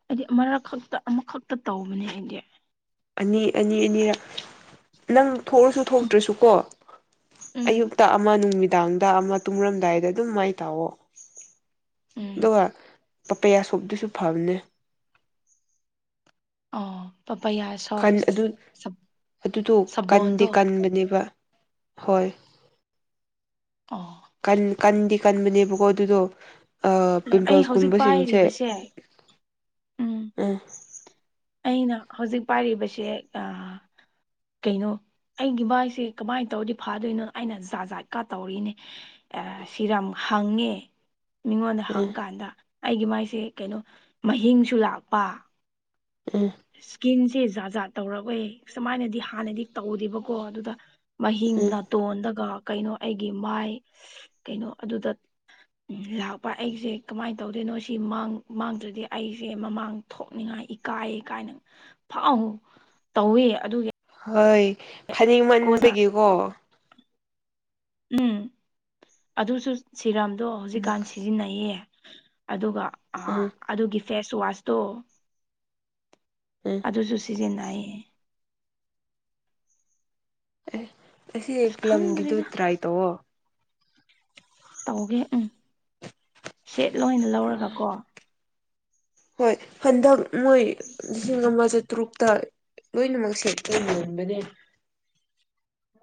ꯑꯩꯗꯤ ꯑꯃꯛ ꯈꯛꯇ ꯑꯃꯈꯛꯇ ꯇꯧꯕꯅꯦ ꯑꯩꯗꯤ ꯑꯅꯤ ꯑꯅꯤ ꯑꯅꯤꯔꯛ ꯅꯪ ꯊꯣꯛꯑꯁꯨ ꯊꯣꯛꯇ꯭ꯔꯁꯨꯀꯣ ꯎꯝ ꯑꯌꯨꯛꯇ ꯑꯃ ꯅꯨꯃꯤꯠ ꯅꯨꯡꯗꯥꯡꯗ ꯑꯃ ꯇꯨꯝꯔꯝꯗꯥꯏꯗ ꯑꯗꯨꯝ ꯃꯥꯏ ꯇꯥꯛꯑꯣꯣ ꯎꯝ ꯑꯗꯨꯒ ꯄꯄꯌꯥꯁꯣꯞꯗꯨꯁꯨ ꯐꯕꯅꯦ ꯑꯣ ꯄꯄ ꯌꯥ ꯀꯟ ꯑꯗꯨ ꯑꯗꯨꯗꯣ ꯀꯟꯗꯦ ꯁꯥꯕꯣꯟꯗꯣ ꯀꯟꯕꯅꯦꯕ ꯍꯣꯏ ꯑꯥꯎ ꯀꯟꯗꯤ ꯀꯟꯕꯅꯦꯕꯀꯣ ꯑꯗꯨꯗꯣ ꯑꯩ ꯍꯧꯖꯤꯛ ꯄꯤꯝꯄꯜꯁꯀꯨꯝꯕꯁꯤꯡꯁꯦ ꯄꯥꯏꯔꯤꯕꯁꯦ ꯑꯥ ꯑꯩꯅ ꯍꯧꯖꯤꯛ ꯄꯥꯏꯔꯤꯕꯁꯦ ꯀꯩꯅꯣ ꯑꯩꯒꯤ ꯚꯏꯁꯦ ꯀꯃꯥꯏꯅ ꯇꯧꯔꯗꯤ ꯐꯥꯗꯣꯏꯅꯣ ꯑꯩꯅ ꯖꯥ ꯖꯥꯠꯀꯥ ꯇꯧꯔꯤꯅꯦ ꯑ ꯁꯤꯔꯝ ꯍꯪꯉꯦ ꯃꯤꯉꯣꯟꯗ ꯎꯝ ꯍꯪꯀꯥꯟꯗ ꯑꯩꯒꯤ ꯃꯥꯏꯁꯦ ꯀꯩꯅꯣ ꯃꯍꯤꯡꯁꯨ ꯂꯥꯛꯄ ꯎꯝ ꯏꯁꯀꯤꯟꯁꯦ ꯖꯥꯠ ꯖꯥꯠ ꯇꯧꯔꯛꯑꯣꯦ ꯁꯨꯃꯥꯏꯅꯗꯤ ꯍꯥꯟꯅꯗꯤ ꯇꯧꯗꯦꯕꯀꯣ ꯑꯗꯨꯗ ꯃꯍꯤꯡ ꯎꯝ ꯅꯥꯇꯣꯟꯗꯒ ꯀꯩꯅꯣ ꯑꯩꯒꯤ ꯃꯥꯏ ꯀꯩꯅꯣ ꯑꯗꯨꯗ ꯂꯥꯛꯄ ꯑꯩꯁꯦ ꯀꯃꯥꯏꯅ ꯇꯧꯗꯣꯏꯅꯣ ꯁꯤ ꯃꯥꯡ ꯃꯥꯡꯗ꯭ꯔꯗꯤ ꯑꯩꯁꯦ ꯃꯃꯥꯡ ꯊꯣꯛꯅꯤꯡꯉꯥꯏ ꯏꯀꯥꯏ ꯀꯥꯏꯅ ꯐꯥꯎ ꯇꯧꯋꯤ ꯑꯗꯨꯒꯤ ꯍꯣꯏ ꯐꯅꯦꯛ ꯀꯣꯟꯅ ꯃꯟꯕꯒꯤꯀꯣ ꯎꯝ ꯑꯗꯨꯁꯨ ꯁꯤꯔꯝꯗꯣ ꯍꯧꯖꯤꯛꯀꯥꯟꯁꯤ ꯁꯤꯖꯤꯟꯅꯩꯌꯦ ꯑꯗꯨꯒ ꯎꯝ ꯑꯗꯨꯒꯤ ꯐꯦꯁ ꯋꯥꯁꯇꯣ ꯎꯝ ꯑꯗꯨꯁꯨ ꯁꯤꯖꯤꯟꯅꯩꯌꯦ ꯑꯦ ꯑꯁꯤ ꯑꯁ ꯄꯂꯝꯒꯤꯗꯨ ꯈꯪꯗ꯭ꯔꯤꯗ ꯇ꯭ꯔꯥꯏ ꯇꯧꯑꯣ ꯇꯧꯒꯦ ꯎꯝ ꯁꯦꯠ ꯂꯣꯏ ꯑꯣꯏꯅ ꯂꯧꯔꯒ ꯀꯣ ꯍꯣꯏ ꯍꯟꯗꯛ ꯃꯣꯏ ꯂꯤꯁꯤꯡ ꯑꯃ ꯆꯇ꯭ꯔꯨꯛꯇ ꯂꯣꯏꯅꯃꯛ ꯁꯦꯠꯇ ꯑꯣꯏꯅ ꯌꯣꯟꯕꯅꯦ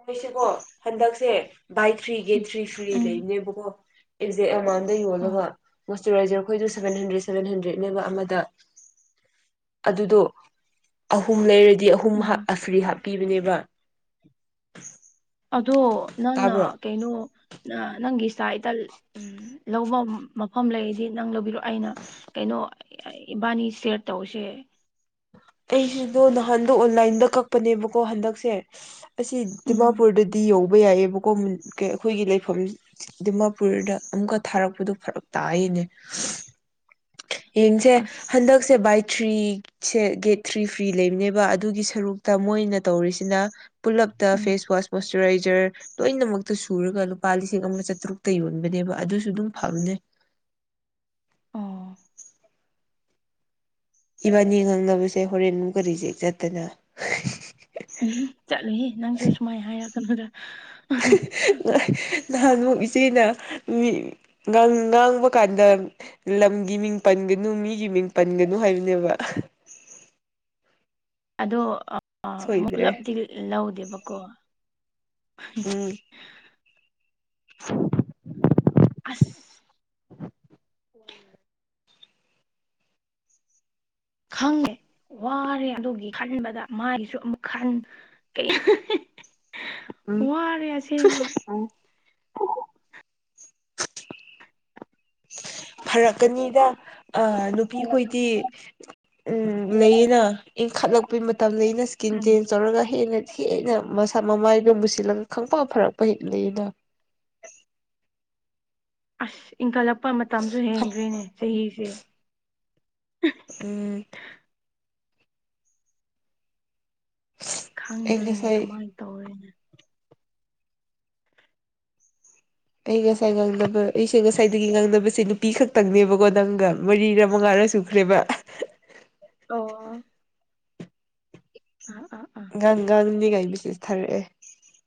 ꯅꯣꯏꯁꯤꯀꯣ ꯍꯟꯗꯛꯁꯦ ꯕꯥꯏ ꯊ꯭ꯔꯤ ꯒꯦꯠ ꯎꯝ ꯊ꯭ꯔꯤ ꯐ꯭ꯔꯤ ꯎꯝ ꯂꯩꯕꯅꯦꯕꯀꯣ ꯑꯦꯛꯖꯦꯛ ꯑꯦꯃꯥꯎꯟꯗ ꯑꯣ ꯌꯣꯜꯂꯒ ꯖꯔꯈꯣꯏꯁꯨ ꯁꯦꯟꯟꯗ꯭ꯔꯦ ꯁꯚꯦꯟꯟꯗ꯭ꯔꯦ ꯑꯃꯗ ꯑꯗꯨꯗꯣ ꯑꯍꯨꯝ ꯂꯩꯔ ꯗꯤ ꯑꯍꯨꯝ ꯎꯝ ꯐ꯭ꯔꯤ ꯍꯥꯞꯄꯤꯕꯅꯦꯕ ꯑꯗꯣ ꯅꯪꯅ ꯇꯥꯕ꯭ꯔꯣ ꯀꯩꯅꯣ ꯅꯪꯒꯤ ꯏꯁꯇꯥ ꯏꯇ ꯎ ꯂꯧꯕ ꯃꯐꯝ ꯂꯩꯔꯗꯤ ꯅꯪ ꯂꯧꯕꯤꯔꯛ ꯑꯩꯅ ꯀꯩꯅꯣ ꯏꯕꯥꯅꯤ ꯁꯌꯔ ꯇꯧꯁꯦ ꯑꯁ ꯑꯩꯁꯤꯗꯣ ꯅꯍꯥꯟꯗ ꯑꯣꯟꯂꯥꯏꯟꯗ ꯀꯛꯄꯅꯦꯕꯀꯣ ꯍꯟꯗꯛꯁꯦ ꯑꯁꯤ ꯎꯝ ꯗꯤꯃꯥꯄꯨꯔꯗꯗꯤ ꯌꯧꯕ ꯌꯥꯏꯌꯦꯕꯀꯣ ꯑꯩꯈꯣꯏꯒꯤ ꯂꯩꯐꯝ ꯗꯤꯃꯥꯄꯨꯔꯗ ꯑꯃꯨꯛꯀ ꯊꯥꯔꯛꯄꯗꯣ ꯐꯔꯛ ꯇꯥꯛꯏꯅꯦ ꯌꯦꯡꯁꯦ ꯑꯁ ꯍꯟꯗꯛꯁꯦ ꯕꯥꯏ ꯊ꯭ꯔꯤ ꯁꯦ ꯒꯦꯠ ꯊ꯭ꯔꯤ ꯐ꯭ꯔꯤ ꯂꯩꯕꯅꯦꯕ ꯑꯗꯨꯒꯤ ꯁꯔꯨꯛꯇ ꯃꯣꯏꯅ ꯇꯧꯔꯤꯁꯤꯅ ꯄꯨꯜꯂꯞꯇ ꯎꯝ ꯐꯦꯁꯋꯥꯁ ꯃꯣꯏꯁꯆꯔꯥꯏꯖꯔ ꯂꯣꯏꯅꯃꯛꯇ ꯁꯨꯔꯒ ꯂꯨꯄꯥ ꯂꯤꯁꯤꯡ ꯑꯃꯒ ꯆꯥꯇꯔꯨꯛꯇ ꯌꯣꯟꯕꯅꯦꯕ ꯑꯗꯨꯁꯨ ꯑꯗꯨꯝ ꯐꯝꯅꯦ ꯑꯣ ꯏꯕꯥꯅꯤ ꯈꯪꯅꯕꯁꯦ ꯍꯣꯔꯦꯟꯃꯨꯛꯀ ꯔꯤꯖꯦꯛ ꯆꯠꯇꯅ ꯆꯠꯂꯨ ꯅꯪꯁꯨ ꯁꯨꯃꯥꯏꯅ ꯍꯥꯏꯔ ꯀꯩꯅꯣꯗ ꯅꯍꯥꯟꯃꯨꯛ ꯏꯆꯦꯅ ꯉꯥꯡꯕ ꯀꯥꯟꯗ ꯂꯝꯒꯤ ꯃꯤꯡ ꯄꯟꯒꯅꯨ ꯃꯤꯒꯤ ꯃꯤꯡ ꯄꯟꯒꯅꯨ ꯍꯥꯏꯕꯅꯦꯕ ꯑꯗꯣꯨꯛ ꯁꯣꯏꯗ꯭ꯔꯦ ꯄꯨꯂꯞꯗꯤꯤ ꯂꯧꯗꯦꯕꯀꯣ ꯎꯝ [unintelligible] ꯑꯁ ꯍ ꯈꯪꯉꯦ ꯋꯥꯔꯦ ꯑꯗꯨꯒꯤ ꯈꯟꯕꯗ ꯃꯥꯒꯤꯁꯨ ꯑꯃꯨꯛ ꯈꯟ ꯀꯩ ꯎꯝ ꯋꯥꯔꯦ ꯑꯁꯦꯡꯕ ꯎꯝ ꯐꯔꯛꯀꯅꯤꯗ ꯑ ꯅꯨꯄꯤꯈꯣꯏꯗꯤ ꯎꯝ ꯂꯩꯌꯦꯅ ꯏꯪꯈꯠꯂꯛꯄꯩ ꯃꯇꯝꯗ ꯑꯩꯅ ꯏꯁꯀꯤꯟ ꯆꯦꯟꯖ ꯇꯧꯔꯒ ꯍꯦꯟꯅ ꯍꯦꯟꯅ ꯃꯁꯥ ꯃꯃꯥꯏꯗꯣꯕꯨꯁꯤꯜꯂꯒ ꯈꯪꯄ ꯐꯔꯛꯄ ꯍꯦꯛ ꯂꯩꯅ ꯑꯁ ꯏꯟꯈꯠꯂꯛꯄ ꯃꯇꯝꯁꯨ ꯍꯦꯟꯒ꯭ꯦꯅꯦ ꯆꯍꯤꯁꯦ ꯎꯝ ꯑꯩ ꯈꯪꯗ꯭ꯔꯤꯅꯦ ꯉꯁꯥꯏ ꯀꯃꯥꯏꯅ ꯇꯧꯔꯦꯅꯦ ꯑꯩ ꯉꯁꯥꯏ ꯉꯥꯡꯅꯕ ꯑꯩꯁꯦ ꯉꯁꯥꯏꯗꯒꯤ ꯉꯥꯡꯅꯕꯁꯦ ꯅꯨꯄꯤ ꯈꯛꯇꯪꯅꯦꯕꯀꯣ ꯅꯪꯒ ꯃꯔꯤꯔ ꯃꯉꯥꯔ ꯁꯨꯈ꯭ꯔꯦꯕ ꯑꯣ ꯑꯥ ꯑꯥ ꯑꯥ ꯒꯥꯡꯒꯥꯡꯗꯤꯒꯥꯏꯕꯤꯁꯦꯁ ꯊꯥꯔꯛꯑꯦ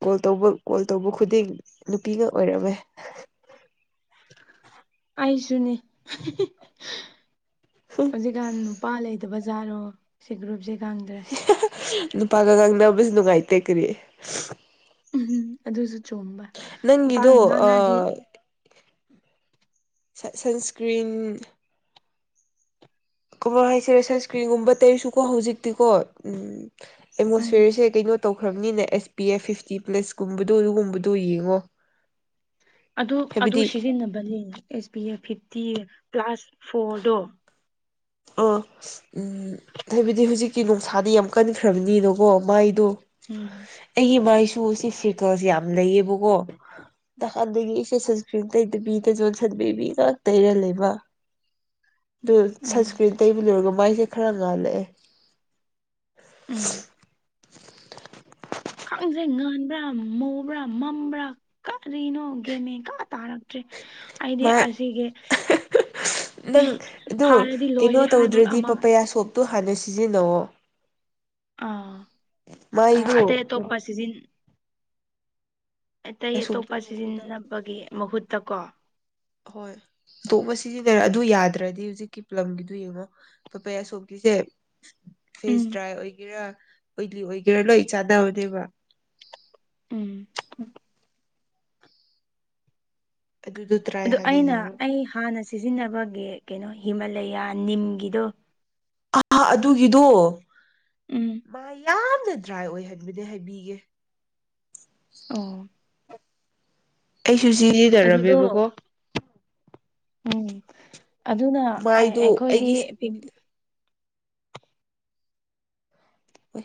ꯀꯣꯜ ꯇꯧꯕ ꯀꯣꯜ ꯇꯧꯕ ꯈꯨꯗꯤꯡ ꯅꯨꯄꯤ ꯉ ꯑꯣꯏꯔꯝꯃꯦ ꯑꯩꯁꯨꯅꯦ ꯍꯧꯖꯤꯛꯀꯥꯟ ꯅꯨꯄꯥ ꯂꯩꯗꯕꯖꯥꯠꯔꯣ ꯁꯤ ꯒ꯭ꯔꯨꯞꯁꯦ ꯈꯪꯗ꯭ꯔꯦ ꯅꯨꯄꯥꯒ ꯉꯥꯡꯅꯕꯁꯨ ꯅꯨꯡꯉꯥꯏꯇꯦ ꯀꯔꯤ ꯎꯝꯝ ꯑꯗꯨꯁꯨ ꯆꯣꯡꯕ ꯅꯨꯄꯥ ꯅꯪꯒꯤꯗꯣ ꯉꯉꯥ ꯉꯥꯗꯤ ꯑꯥ ꯁꯟꯁ꯭ꯀ꯭ꯔꯤꯟ ꯀꯃꯥ ꯍꯥꯏꯁꯔꯦ ꯁꯟꯁꯀ꯭ꯔꯤꯟꯒꯨꯝꯕ ꯇꯩꯔꯁꯨꯀꯣ ꯍꯧꯖꯤꯛꯇꯤꯀꯣ ꯎ ꯎꯝ ꯑꯦꯠꯃꯣꯁꯐꯤꯌꯔꯁꯦ ꯀꯩꯅꯣ ꯇꯧꯈ꯭ꯔꯕꯅꯤꯅ ꯑꯦꯁ ꯄꯤ ꯑꯦꯐ ꯐꯤꯐꯇꯤ ꯄ꯭ꯂꯁꯀꯨꯝꯕꯗꯣ ꯑꯗꯨꯒꯨꯝꯕꯗꯣ ꯌꯦꯡꯉꯣ ꯑꯗꯨ ꯑꯗꯨ ꯍꯥꯏꯕꯗꯤ ꯁꯤꯖꯤꯟꯅꯕꯅꯦ S P A fifty plus ꯐꯣꯔꯗꯣ ꯑꯥ ꯎꯝ ꯑꯕꯗꯤ ꯍꯧꯖꯤꯛꯀꯤ ꯅꯨꯡꯁꯥꯗꯤ ꯌꯥꯝ ꯀꯟꯈ꯭ꯔꯕꯅꯤꯅꯀꯣ ꯃꯥꯏꯗꯣ ꯎꯝ ꯑꯩꯒꯤ ꯃꯥꯏꯁꯨ ꯁꯤ ꯐꯦꯀꯜꯁ ꯌꯥꯝ ꯂꯩꯌꯦꯕꯀꯣ ꯀꯥꯟꯗꯒꯤꯦ ꯁꯟꯁꯀ꯭ꯔꯤꯟ ꯇꯩꯗꯕꯤꯗ ꯖꯣꯟꯁꯟ ꯕꯦꯕꯤꯒ ꯇꯩꯔ ꯂꯩꯦꯕ [inaudible] ꯑꯗꯨ ꯎꯝ ꯁꯟꯁꯀ꯭ꯔꯤꯟ ꯇꯩꯕ ꯂꯣꯏꯔꯒ ꯃꯥꯏꯁꯦ ꯈꯔ ꯉꯥꯜꯂꯛꯑꯦ ꯎꯝ ꯈꯪꯗ꯭ꯔꯦ ꯉꯥꯟꯕ꯭ꯔꯥ ꯃꯕ꯭ꯔꯥ ꯃꯝꯕ꯭ꯔꯥ ꯀꯔꯤꯅꯣ ꯒꯦꯃꯦ ꯀꯥ ꯇꯥꯔ ꯭ꯔꯦ ꯑꯩꯗꯤ ꯃꯥꯏ ꯑꯁꯤꯒꯤꯒ ꯅꯪ ꯑꯗꯨ ꯀꯩꯅꯣ ꯂꯣꯏꯔꯦ ꯍꯥꯏꯕ ꯇꯧꯗ꯭ꯔꯗꯤ ꯑꯃ ꯄꯄꯌꯥ ꯁꯣꯞꯇꯣ ꯍꯥꯟꯅ ꯁꯤꯖꯤꯟꯅꯑꯣ ꯑꯥ ꯃꯥꯏꯗꯣ ꯑꯇꯩ ꯑꯇꯣꯞꯄ ꯄꯄꯌꯥ ꯁꯤꯖꯤꯟ ꯑꯇꯩ ꯁꯣꯞꯇꯣ ꯑꯇꯣꯞꯄ ꯅꯣꯡꯃꯗ ꯁꯤꯖꯤꯟꯅꯕꯒꯤ ꯃꯍꯨꯠꯇ ꯀꯣ ꯍꯣꯏ ꯑꯇꯣꯞꯄ ꯁꯤꯖꯤꯟꯅꯔꯦ ꯑꯗꯨ ꯌꯥꯗ꯭ꯔꯗꯤ ꯍꯧꯖꯤꯛꯀꯤ ꯄꯂꯝꯒꯤꯗꯨ ꯌꯦꯡꯉꯣ ꯄꯩ ꯁꯣꯀꯤꯁꯦ ꯐꯦꯁ ꯎꯝ ꯗ꯭ꯔꯥꯏ ꯑꯣꯏꯒꯦꯔꯥ ꯑꯣꯏꯂꯤ ꯑꯣꯏꯒꯦꯔꯥ ꯂꯣꯏ ꯆꯥꯗꯕꯅꯦꯕ ꯎꯝ ꯎꯝ ꯑꯗꯨꯗꯨ ꯑꯗꯣ ꯑꯩꯅ ꯑꯩ ꯍꯥꯟꯅ ꯁꯤꯖꯤꯟꯅꯕꯒꯤ ꯀꯩꯅꯣ ꯍꯤꯃꯥꯂꯌꯥ ꯅꯤꯝꯒꯤꯗꯣ ꯑꯥ ꯑꯗꯨꯒꯤꯗꯣ ꯎꯝ ꯃꯥ ꯌꯥꯝꯅ ꯗ꯭ꯔꯥꯏ ꯑꯣꯏ ꯍꯥꯏꯕꯗꯤ ꯍꯥꯏꯕꯤꯒꯦ ꯑꯣ ꯑꯩꯁꯨ ꯑꯗꯨꯗꯣ ꯆꯖꯤꯖꯤꯗꯃꯦꯕꯀꯣ ꯎꯝ ꯑꯗꯨꯅ ꯃꯥꯏꯗꯣ ꯑꯩꯈꯣꯏꯗꯤ ꯑꯩꯒꯤ ꯑꯦ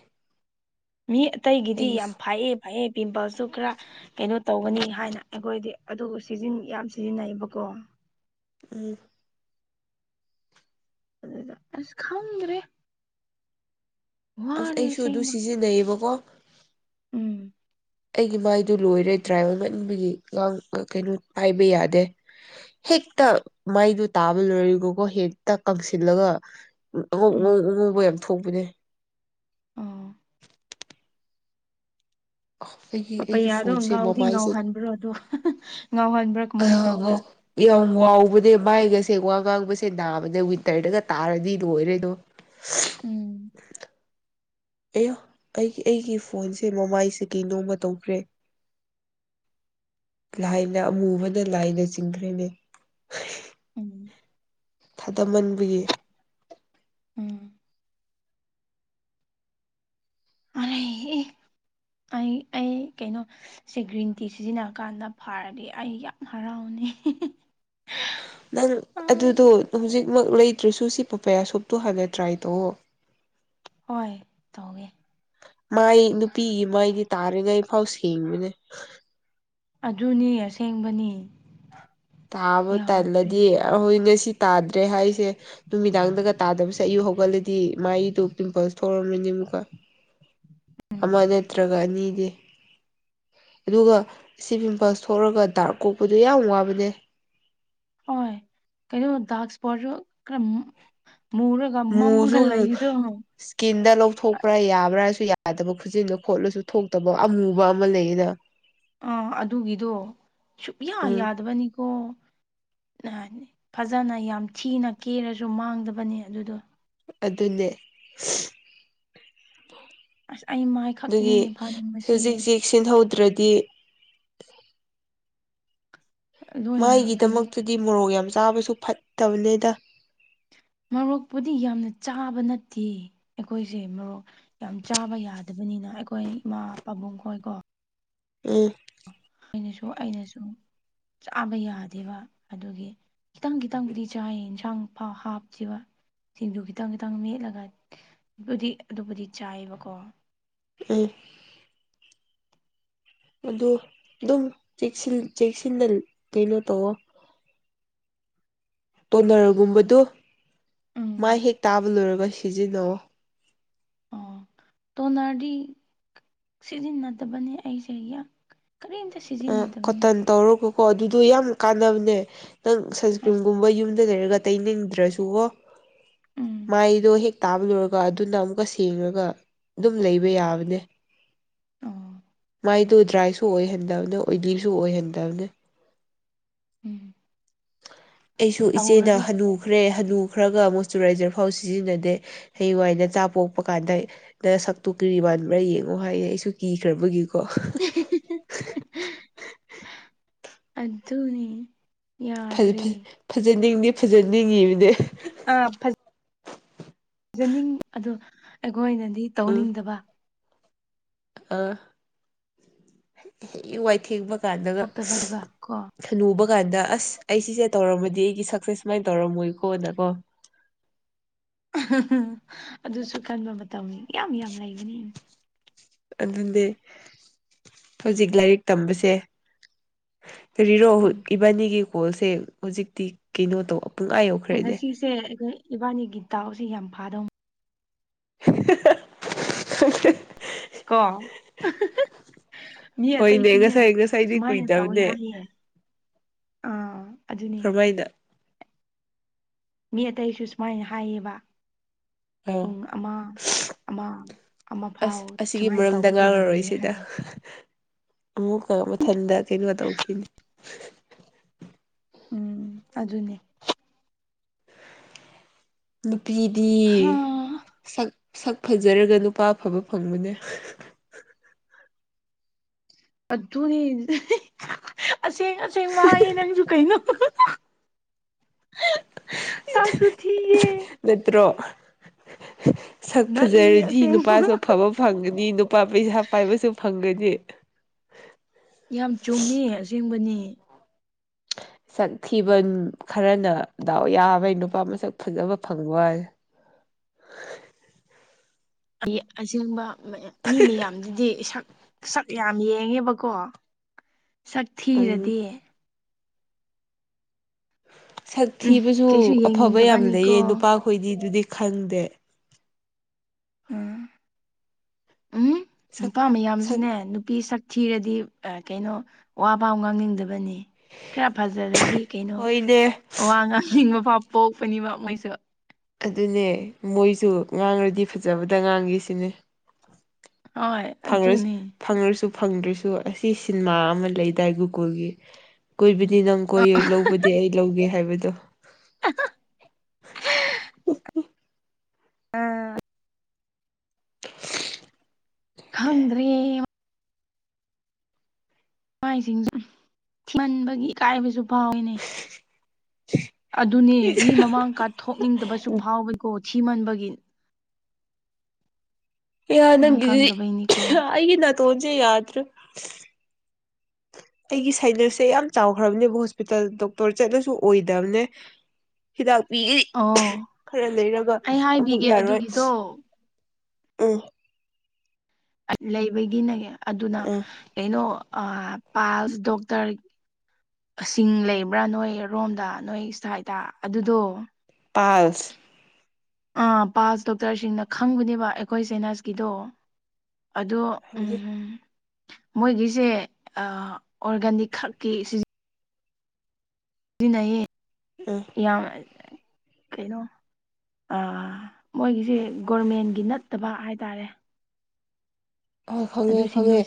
ꯃꯤ ꯑꯇꯩꯒꯤꯗꯤ ꯌꯥꯝ ꯐꯩꯌꯦ ꯐꯩꯌꯦ ꯄꯤꯝꯄꯜꯁꯨ ꯈꯔ ꯀꯩꯅꯣ ꯇꯧꯒꯅꯤ ꯍꯥꯏꯅ ꯑꯩꯈꯣꯏꯗꯤ ꯑꯗꯨ ꯁꯤꯖꯤꯟ ꯌꯥꯝ ꯁꯤꯖꯤꯟꯅꯩꯕꯀꯣ ꯎꯝ ꯑꯗꯨꯗ ꯑꯁ ꯈꯪꯗꯔ‌ꯦ ꯑꯁ ꯑꯩꯁꯨ ꯑꯗꯨ ꯑꯁꯦꯡꯕ ꯁꯤꯖꯤꯟꯅꯩꯌꯦꯕꯀꯣ ꯎꯝ ꯑꯩꯒꯤ ꯃꯥꯏꯗꯨ ꯂꯣꯏꯔꯦ ꯇ꯭ꯔꯥꯏꯕꯦꯜꯃꯟꯕꯨꯗꯤ ꯀꯩꯅꯣ ꯄꯥꯏꯕ ꯌꯥꯗꯦ ꯍꯦꯛꯇ ꯃꯥꯏꯗꯨ ꯇꯥꯕ ꯂꯣꯏꯔꯤꯒꯀꯣ ꯍꯦꯛꯇ ꯀꯪꯁꯤꯜꯂꯒ ꯑꯉꯧ ꯎꯝ ꯑꯉꯧ ꯑꯉꯧꯕ ꯌꯥꯝ ꯊꯣꯛꯧꯕꯅꯦ ꯑ ꯑꯩꯒꯤ ꯑꯩꯒꯤ ꯄꯄꯩꯌꯥꯗꯣ ꯐꯣꯟꯁꯦ ꯉꯥꯎꯗꯤ ꯃꯃꯥꯏꯁꯦ ꯉꯥꯎꯍꯟꯕ꯭ꯔꯣ ꯑꯗꯣ ꯉꯥꯎꯍꯟꯕ꯭ꯔꯥ [unintelligible] ꯀꯃꯥꯏꯅ ꯑꯕꯣ ꯇꯧꯕ꯭ꯔꯥ ꯌꯥꯝ ꯋꯥꯎꯕꯅꯦ ꯃꯥꯏꯒꯁꯦ ꯋꯥ ꯉꯥꯡꯕꯁꯦ ꯅꯥꯕꯅꯦ ꯋꯤꯟꯇꯔꯗꯒ ꯇꯥꯔꯗꯤ ꯂꯣꯏꯔꯦꯗꯣ ꯎꯝ ꯑꯌꯥ ꯑꯩꯒꯤ ꯑꯩꯒꯤ ꯐꯣꯟꯁꯦ ꯃꯃꯥꯏꯁꯦ ꯀꯩ ꯅꯣꯝꯃ ꯇꯧꯈꯔꯦ ꯂꯥꯏꯅ ꯑꯃꯨꯕꯗ ꯂꯥꯏꯅ ꯆꯤꯡꯈ꯭ꯔꯦꯅꯦ ꯎꯝ ꯇꯝꯃꯟꯕꯒꯤ ꯎꯝ ꯑꯩꯍ‌ꯦ ꯑꯦ ꯑꯩ ꯑꯩ ꯀꯩꯅꯣ ꯁꯦ ꯒ꯭ꯔꯤꯟ ꯇꯤ ꯁꯤꯖꯤꯟꯅ ꯀꯥꯟꯗ ꯐꯥꯔꯗꯤ ꯑꯩ ꯌꯥꯝ ꯍꯔꯥꯎꯅꯤ ꯅꯪ ꯑꯗꯨꯗꯣ ꯍꯧꯖꯤꯛꯃꯛ ꯂꯩꯇ꯭ꯔꯁꯨ ꯁꯤ ꯄꯄꯌꯥ ꯁꯣꯞꯇꯣ ꯍꯥꯟꯅ ꯇ꯭ꯔꯥꯏ ꯇꯧꯑꯣ ꯍꯣꯏ ꯇꯧꯋ‌ꯦ ꯃꯥꯏ ꯅꯨꯄꯤꯒꯤ ꯃꯥꯏꯗꯤ ꯇꯥꯔꯤꯉꯩꯐꯥꯎ ꯁꯦꯡꯕꯅꯦ ꯑꯗꯨꯅꯤ ꯑꯁꯦꯡꯕꯅꯤ ꯇꯥꯕ ꯌꯥꯗ꯭ꯔꯦ ꯇꯜꯂꯗꯤ ꯑꯩꯈꯣꯏ ꯉꯁꯤ ꯇꯥꯗ꯭ꯔꯦ ꯍꯥꯏꯁꯦ ꯅꯨꯃꯤꯗꯥꯡꯗꯒ ꯇꯥꯗꯕꯁꯦ ꯑꯌꯨꯛ ꯍꯧꯒꯠꯂꯗꯤ ꯃꯥꯥꯏꯗ‌ꯨ ꯄꯤꯝꯄꯜꯁ ꯊꯧꯔꯛꯂꯅꯤ ꯑꯃꯨꯛꯀ ꯑꯃ ꯎꯝ ꯅꯠꯇ꯭ꯔꯒ ꯑꯅꯤꯗꯤ ꯑꯗꯨꯒ ꯁꯤ ꯄꯤꯝꯄꯜꯁ ꯊꯣꯛꯔꯒ ꯗꯥꯔꯛ ꯀꯣꯛꯄꯗꯨ ꯌꯥꯝ ꯋꯥꯕꯅꯦ ꯍꯣꯏ ꯀꯩꯅꯣ ꯗꯥꯛ ꯏꯁꯄꯣꯠꯁꯨ ꯈꯔꯝ ꯃꯨꯔꯒ ꯃꯨꯁꯨ ꯃꯝꯃꯒ ꯃꯨ ꯂꯩꯕꯗ‌ꯣ ꯏꯁꯀꯤꯟꯗ ꯂꯧꯊꯣꯛꯄ꯭ꯔꯥ ꯌꯥꯕ꯭ꯔꯥꯁꯨ ꯌꯥꯗꯕ ꯈꯨꯖꯤꯟꯗꯣ ꯈꯣꯠꯂꯁꯨ ꯊꯣꯛꯇꯕ ꯑꯃꯨꯕ ꯑꯃ ꯂꯩꯌꯦꯅ [unintelligible] ꯑꯥ ꯑꯗꯨꯒꯤꯗꯣ ꯁꯨꯛꯌꯥ ꯎꯝ ꯌꯥꯗꯕꯅꯤꯀꯣ ꯐꯖꯅ ꯌꯥꯝ ꯊꯤꯅ ꯀꯦꯔꯁꯨ ꯃꯥꯡꯗꯕꯅꯤ ꯑꯗꯨꯗꯣ ꯑꯗꯨꯅꯦ ꯑꯁ ꯑꯩ ꯃꯥꯏ ꯈꯛꯇꯅꯦ ꯑꯗꯨꯒꯤ ꯐꯥꯅꯤꯡꯕꯁꯦ ꯍꯧꯖꯤꯛꯖꯤ ꯁꯤꯟꯍꯧꯗ꯭ꯔꯗꯤ ꯂꯣꯏꯅ ꯀꯩꯅꯣ ꯃꯥꯏꯒꯤꯗꯃꯛꯇꯗꯤ ꯃꯣꯔꯣꯛ ꯌꯥꯝ ꯆꯥꯕꯁꯨ ꯐꯠꯇꯝꯅꯤꯗ ꯃ‌ꯣꯔꯣꯛꯄꯨꯗꯤ ꯌꯥꯝꯅ ꯆꯥꯕ ꯅꯠꯇꯦ ꯑꯩꯈꯣꯏꯖ‌ꯦ ꯃ‌ꯣꯔꯣꯛ ꯌꯥꯝ ꯆꯥꯕ ꯌꯥꯗꯕꯅꯤꯅ ꯑꯩꯈꯣꯏ ꯏꯃꯥ ꯄꯥꯕꯨꯡ ꯈꯣꯏꯀꯣ ꯎꯝ ꯑꯩꯅꯁꯨ ꯑꯩꯅꯁꯨ ꯆꯥꯕ ꯌꯥꯗꯦꯕ ꯑꯗꯨꯒꯤ ꯈꯤꯇꯪ ꯈꯤꯇꯪꯕꯨꯗꯤ ꯆꯥꯏꯌꯦ ꯏꯟꯁꯥꯡ ꯄꯥ ꯍꯥꯞꯈꯤꯕ ꯁꯤꯡꯖꯨ ꯈꯤꯇꯪ ꯈꯤꯇꯪ ꯃꯦꯠꯂꯒ ꯑꯗꯨꯕꯨꯗꯤ ꯑꯗꯨꯕꯨꯗꯤ ꯆꯥꯏꯌꯦꯕꯀꯣ ꯎꯝ ꯑꯗꯨ ꯑꯗꯨꯝ ꯆ‌ꯦꯛꯁꯤꯟ ꯆꯦꯛꯁꯤꯟꯅ ꯀꯩꯅꯣ ꯇꯧꯑꯣ ꯇꯣꯅꯔꯒꯨꯝꯕꯗꯨ ꯃ ꯎꯝ ꯍꯦꯛ ꯇꯥꯕ ꯂꯣꯏꯔꯒ ꯁꯤꯖꯤꯟꯅꯣ ꯑꯣ ꯇꯣꯅꯔꯗꯤ ꯁꯤꯖꯤꯟꯅꯗꯕꯅꯦ ꯑꯩꯁꯦ ꯀꯔꯤꯗ ꯁꯤ ꯀꯣꯇꯟ ꯇꯧꯔꯒꯀꯣ ꯑꯗꯨꯗꯣ ꯌꯥꯝ ꯀꯥꯟꯅꯕꯅꯦ ꯅꯪ ꯑꯥ ꯁꯟꯁꯀ꯭ꯔꯤꯟꯒꯨꯝꯕ ꯌꯨꯝ ꯑꯗꯨ ꯂꯩꯔꯒ ꯑꯇꯩ ꯂꯩꯗ꯭ꯔꯁꯨꯕꯣ ꯎꯝ ꯃꯥꯏꯗꯣ ꯍꯦꯛ ꯇꯥꯕꯂꯨꯔꯒ ꯑꯗꯨꯅ ꯑꯃꯨꯛꯀ ꯁꯦꯡꯉꯒ ꯑꯗꯨꯝ ꯂꯩꯕ ꯌꯥꯕꯅꯦ ꯑꯣ ꯃꯥꯏꯗꯨ ꯗ꯭ꯔꯥꯏꯁꯨ ꯑꯣꯏꯍꯟꯗꯕꯅꯦ ꯑꯣꯏꯂꯤꯁꯨ ꯑꯣꯏꯍꯟꯗꯕꯅꯦ ꯎꯝ [unintelligible] ꯑꯩꯁꯨ ꯏꯆꯦꯅ ꯇꯧꯔꯒꯦ ꯍꯅꯨꯈ꯭ꯔꯦ ꯍꯅꯨꯈ꯭ꯔꯒ ꯃꯣꯁꯇꯨꯔꯥꯏꯖꯔ ꯐꯥꯎ ꯁꯤꯖꯤꯟꯅꯗꯦ ꯍꯌꯦꯡ ꯋꯥꯏ ꯅꯆꯥ ꯄꯣꯛꯄꯀꯥꯟꯗ ꯅꯁꯛꯇꯨ ꯀ꯭ꯔꯤ ꯃꯥꯟꯕ꯭ꯔꯥ ꯌꯦꯡꯉꯣ ꯍꯥꯏꯌꯦ ꯑꯩꯁꯨ ꯀꯤꯈ꯭ꯔꯕꯒꯤꯀꯣ [unintelligible] ꯑꯗꯨꯅꯤ ꯐꯖ ꯌꯥꯗ꯭ꯔꯤ ꯐꯖ ꯐꯖꯅꯤꯡꯗꯤ ꯐꯖꯅꯤꯡꯉꯤꯕꯅꯦ ꯑꯥ ꯐ ꯄꯤꯖꯅꯤꯡ ꯑꯗ‌ꯣ ꯑꯩꯈꯣꯏꯅꯗꯤ ꯎꯝ ꯇꯧꯅꯤꯡꯗꯕ ꯑꯥ ꯍ ꯋꯥꯏꯊꯦꯡꯕ ꯀꯥꯟꯗꯒ ꯊꯣꯛꯇꯕꯗꯨꯒ ꯀꯣ ꯅꯨꯕ ꯀꯥꯟꯗ ꯑꯁ ꯑꯩ ꯁꯤꯁꯦ ꯇꯧꯔꯝꯃꯗꯤ ꯑꯩꯒꯤ ꯁꯛꯁꯦꯁ ꯁꯨꯃꯥꯏꯅ ꯇꯧꯔꯝꯃꯣꯏꯀꯣꯅꯀꯣ ꯑꯗꯨꯁꯨ ꯀꯟꯕ ꯃꯇꯝꯅꯤ ꯌꯥꯝ ꯌꯥꯝ ꯂꯩꯕꯅꯤ ꯑꯗꯨꯗꯤ ꯍꯧꯖꯤꯛ ꯂꯥꯏꯔꯤꯛ ꯇꯝꯕꯁꯦ ꯀꯔꯤꯔꯣ ꯎꯝ ꯏꯕꯥꯅꯤꯒꯤ ꯀꯣꯜꯁꯦ ꯍꯧꯖꯤꯛꯇꯤ ꯀꯩꯅꯣ ꯇꯧ ꯄꯨꯡ ꯑꯥ ꯌꯧꯈ꯭ꯔꯦꯅꯦ ꯉꯁꯤꯁꯦ ꯑꯩꯈꯣꯏ ꯏꯕꯥꯅꯤꯒꯤ ꯇꯗꯥꯎꯁꯦ ꯌꯥꯝ ꯐꯥꯗꯧꯅꯤ [unintelligible] ꯀꯣ ꯃꯤ ꯍꯣꯏꯅꯦ ꯑꯇꯩꯁꯨꯅꯦ ꯉꯁꯥꯏ ꯉꯁꯥꯏꯗꯤ ꯁꯨꯃꯥꯏꯅ ꯇꯧꯋꯤ ꯀꯨꯏꯗꯕꯅꯦ ꯍꯥꯏꯌꯦ ꯑꯥ ꯑꯗꯨꯅꯦ ꯈꯔꯃꯩꯗ ꯃꯤ ꯑꯇꯩꯁꯨ ꯁꯨꯃꯥꯏꯅ ꯍꯥꯏꯌꯦꯕ ꯑꯥꯎ ꯄꯨꯡ ꯑꯃ ꯑꯃ ꯑꯃ ꯑꯁ ꯐꯥꯎ ꯑꯁꯤꯒꯤ ꯁꯨꯃꯥꯏꯅ ꯃꯔꯝꯗ ꯇꯧꯕꯁꯨ ꯌꯥꯝ ꯂꯩꯌꯦ ꯉꯥꯡꯉꯔꯣꯏꯁꯤꯗ ꯍꯥꯏꯌꯦ ꯑꯃꯨꯛꯀ ꯃꯊꯟꯇ ꯀꯩꯅꯣ ꯇꯧꯈꯤꯅꯤ ꯎꯝ ꯑꯗꯨꯅꯦ ꯅꯨꯄꯤꯗꯤ ꯍꯥ ꯁꯛ ꯁꯛ ꯐꯖꯔꯒ ꯅꯨꯄꯥ ꯑꯐꯕ ꯐꯪꯕꯅꯦ ꯑꯗꯨꯅꯤ ꯑꯁꯦꯡ ꯑꯁꯦꯡ ꯃꯥꯌꯦ ꯅꯪꯁꯨ ꯀꯩꯅꯣ ꯁꯨ ꯊꯌꯦ ꯅꯠꯇ꯭ꯔꯣ ꯁꯛ ꯅꯠꯂꯦ ꯐꯖꯔꯗꯤ ꯑꯁꯦꯡꯕ ꯅꯨꯄꯥꯁꯨ ꯑꯐꯕ ꯐꯪꯒꯅꯤ ꯅꯨꯄꯥ ꯄꯩꯁꯥ ꯄꯥꯏꯕꯁꯨ ꯐꯪꯒꯅꯤ ꯌꯥꯝ ꯆꯨꯝꯃꯤ ꯑꯁꯦꯡꯕꯅꯤ ꯁꯛ ꯊꯤꯕ ꯈꯔꯅ ꯗꯥꯎ ꯌꯥꯕꯩ ꯅꯨꯄꯥ ꯃꯁꯛ ꯐꯖꯕ ꯐꯪꯕ ꯑꯣꯏ ꯑꯩ ꯑꯁꯦꯡꯕ ꯃꯤ ꯃꯌꯥꯝꯗꯨꯗꯤ ꯏꯁꯛ ꯁꯛ ꯌꯥꯝ ꯌꯦꯡꯉꯦꯕꯀꯣ ꯁꯛ ꯎꯝ ꯊꯤꯔꯗꯤ ꯁꯛ ꯎꯝ ꯊꯤꯕꯁꯨ ꯀꯩꯁꯨ ꯑꯐꯕ ꯌꯥꯝ ꯂꯩꯌꯦ ꯌꯦꯡꯅꯤꯡꯗꯕꯅꯤꯀꯣ ꯅꯨꯄꯥꯈꯣꯏꯗꯤ ꯑꯗꯨꯗꯤ ꯈꯪꯗꯦ ꯎ ꯎꯝ ꯁꯛ ꯅꯨꯄꯥ ꯁꯛ ꯃꯌꯥꯝꯁꯨꯅꯦ ꯅꯨꯄꯤ ꯁꯛ ꯊꯤꯔꯗꯤ ꯀꯩꯅꯣ ꯋꯥ ꯄꯥꯝ ꯉꯥꯡꯅꯤꯡꯗꯕꯅꯤ ꯈꯔ ꯐꯖꯔꯗꯤ ꯀꯩꯅꯣ ꯍꯣꯏꯅꯦ ꯋꯥ ꯉꯥꯡꯅꯤꯡꯕ ꯐꯥꯎ ꯄꯣꯛꯄꯅꯤꯕ ꯃꯣꯏꯁꯨ ꯑꯗꯨꯅꯦ ꯃꯣꯏꯁꯨ ꯉꯥꯡꯔꯗꯤ ꯐꯖꯕꯗ ꯉꯥꯡꯈꯤ ꯁꯤꯅꯦ ꯍꯣꯏ ꯐ ꯑꯗꯨꯅꯦ ꯐꯪꯉ꯭ꯔꯁꯨ ꯐꯪꯗ꯭ꯔꯁꯨ ꯑꯁꯤ ꯁꯤꯟꯃꯥ ꯑꯃ ꯂꯩꯗꯥꯏ ꯒꯨꯒꯨꯜꯒꯤ ꯀ ꯅꯪ ꯀꯣꯏꯌꯣꯏ ꯂꯧꯕꯗꯤ ꯑꯩ ꯂꯧꯒꯦ ꯍꯥꯏꯕꯗꯣ [unintelligible] ꯑꯥ [unintelligible] ꯈꯪꯗ꯭ꯔꯦ ꯃꯥꯏꯁꯤꯡꯁꯨꯃꯟꯕꯒꯤ ꯏꯀꯥꯏꯕꯁꯨ ꯐꯥꯎꯋꯅꯦ ꯑꯗꯨꯅꯦ ꯃꯤ ꯃꯃꯥꯡꯀꯊꯣꯛꯅꯤꯡꯗꯕꯁꯨ ꯐꯥꯎꯋꯦꯀꯣ ꯁꯤꯃꯟꯕꯒꯤ ꯌꯥ ꯅꯪ ꯅꯪꯒꯗ ꯈꯪꯗꯕꯩꯅꯤꯀꯣ ꯑꯩꯒꯤ ꯅ ꯇꯣꯟꯖꯦ ꯌꯥꯗ꯭ꯔ ꯑꯩꯒꯤ ꯁꯥꯏꯅꯁꯦ ꯌꯥꯝ ꯆꯥꯎꯈ꯭ꯔꯕꯅꯦꯕ ꯍꯣꯁꯄꯤꯇꯥꯜ ꯗꯣꯛꯇꯔ ꯆꯠꯂꯁꯨ ꯑꯣꯏꯗꯕꯅꯦ ꯍꯤꯗꯥꯛ ꯄꯤꯒꯤ ꯑꯣ ꯈꯔ ꯂꯩꯔꯒ ꯑꯩ ꯑꯃꯨꯛ ꯍꯥꯏꯕꯤꯒꯦ ꯌꯥꯔꯣꯏ ꯑꯗꯨꯒꯤꯗꯣ ꯑ ꯂꯩꯕꯒꯤꯅꯦꯅꯦ ꯑꯗꯨꯅ ꯎꯝ ꯀꯩꯅꯣ ꯄꯜꯁ ꯗꯣꯛꯇꯔ ꯁꯤꯡ ꯂꯩꯕ꯭ꯔꯥ ꯅꯣꯏ ꯔꯣꯝꯗ ꯅꯣꯏ ꯏꯁꯇꯥꯏꯇꯥ ꯑꯗꯨꯗꯣ ꯄꯥꯁ ꯑꯥ ꯄꯥꯁ ꯗꯣꯛꯇꯔꯁꯤꯡꯅ ꯈꯪꯕꯅꯦꯕ ꯑꯩꯈꯣꯏ ꯁꯦꯅꯁꯀꯤꯗꯣ ꯑꯗꯣ ꯖꯤ ꯎꯝ ꯃꯣꯏꯒꯤꯁꯦ ꯑꯣꯔꯒꯥꯅꯤꯛ ꯈꯛꯀꯤ ꯅꯩꯌꯦ ꯑꯥ ꯌꯥꯝ ꯀꯩꯅꯣ ꯃꯣꯏꯒꯤꯁꯦ ꯒꯣꯔꯃꯦꯟꯒꯤ ꯅꯠꯇꯕ ꯍꯥꯏꯇꯥꯔꯦ ꯑ ꯈꯪꯉꯦ ꯑꯗꯨꯁꯤꯡꯗꯣ ꯈꯪꯉꯦ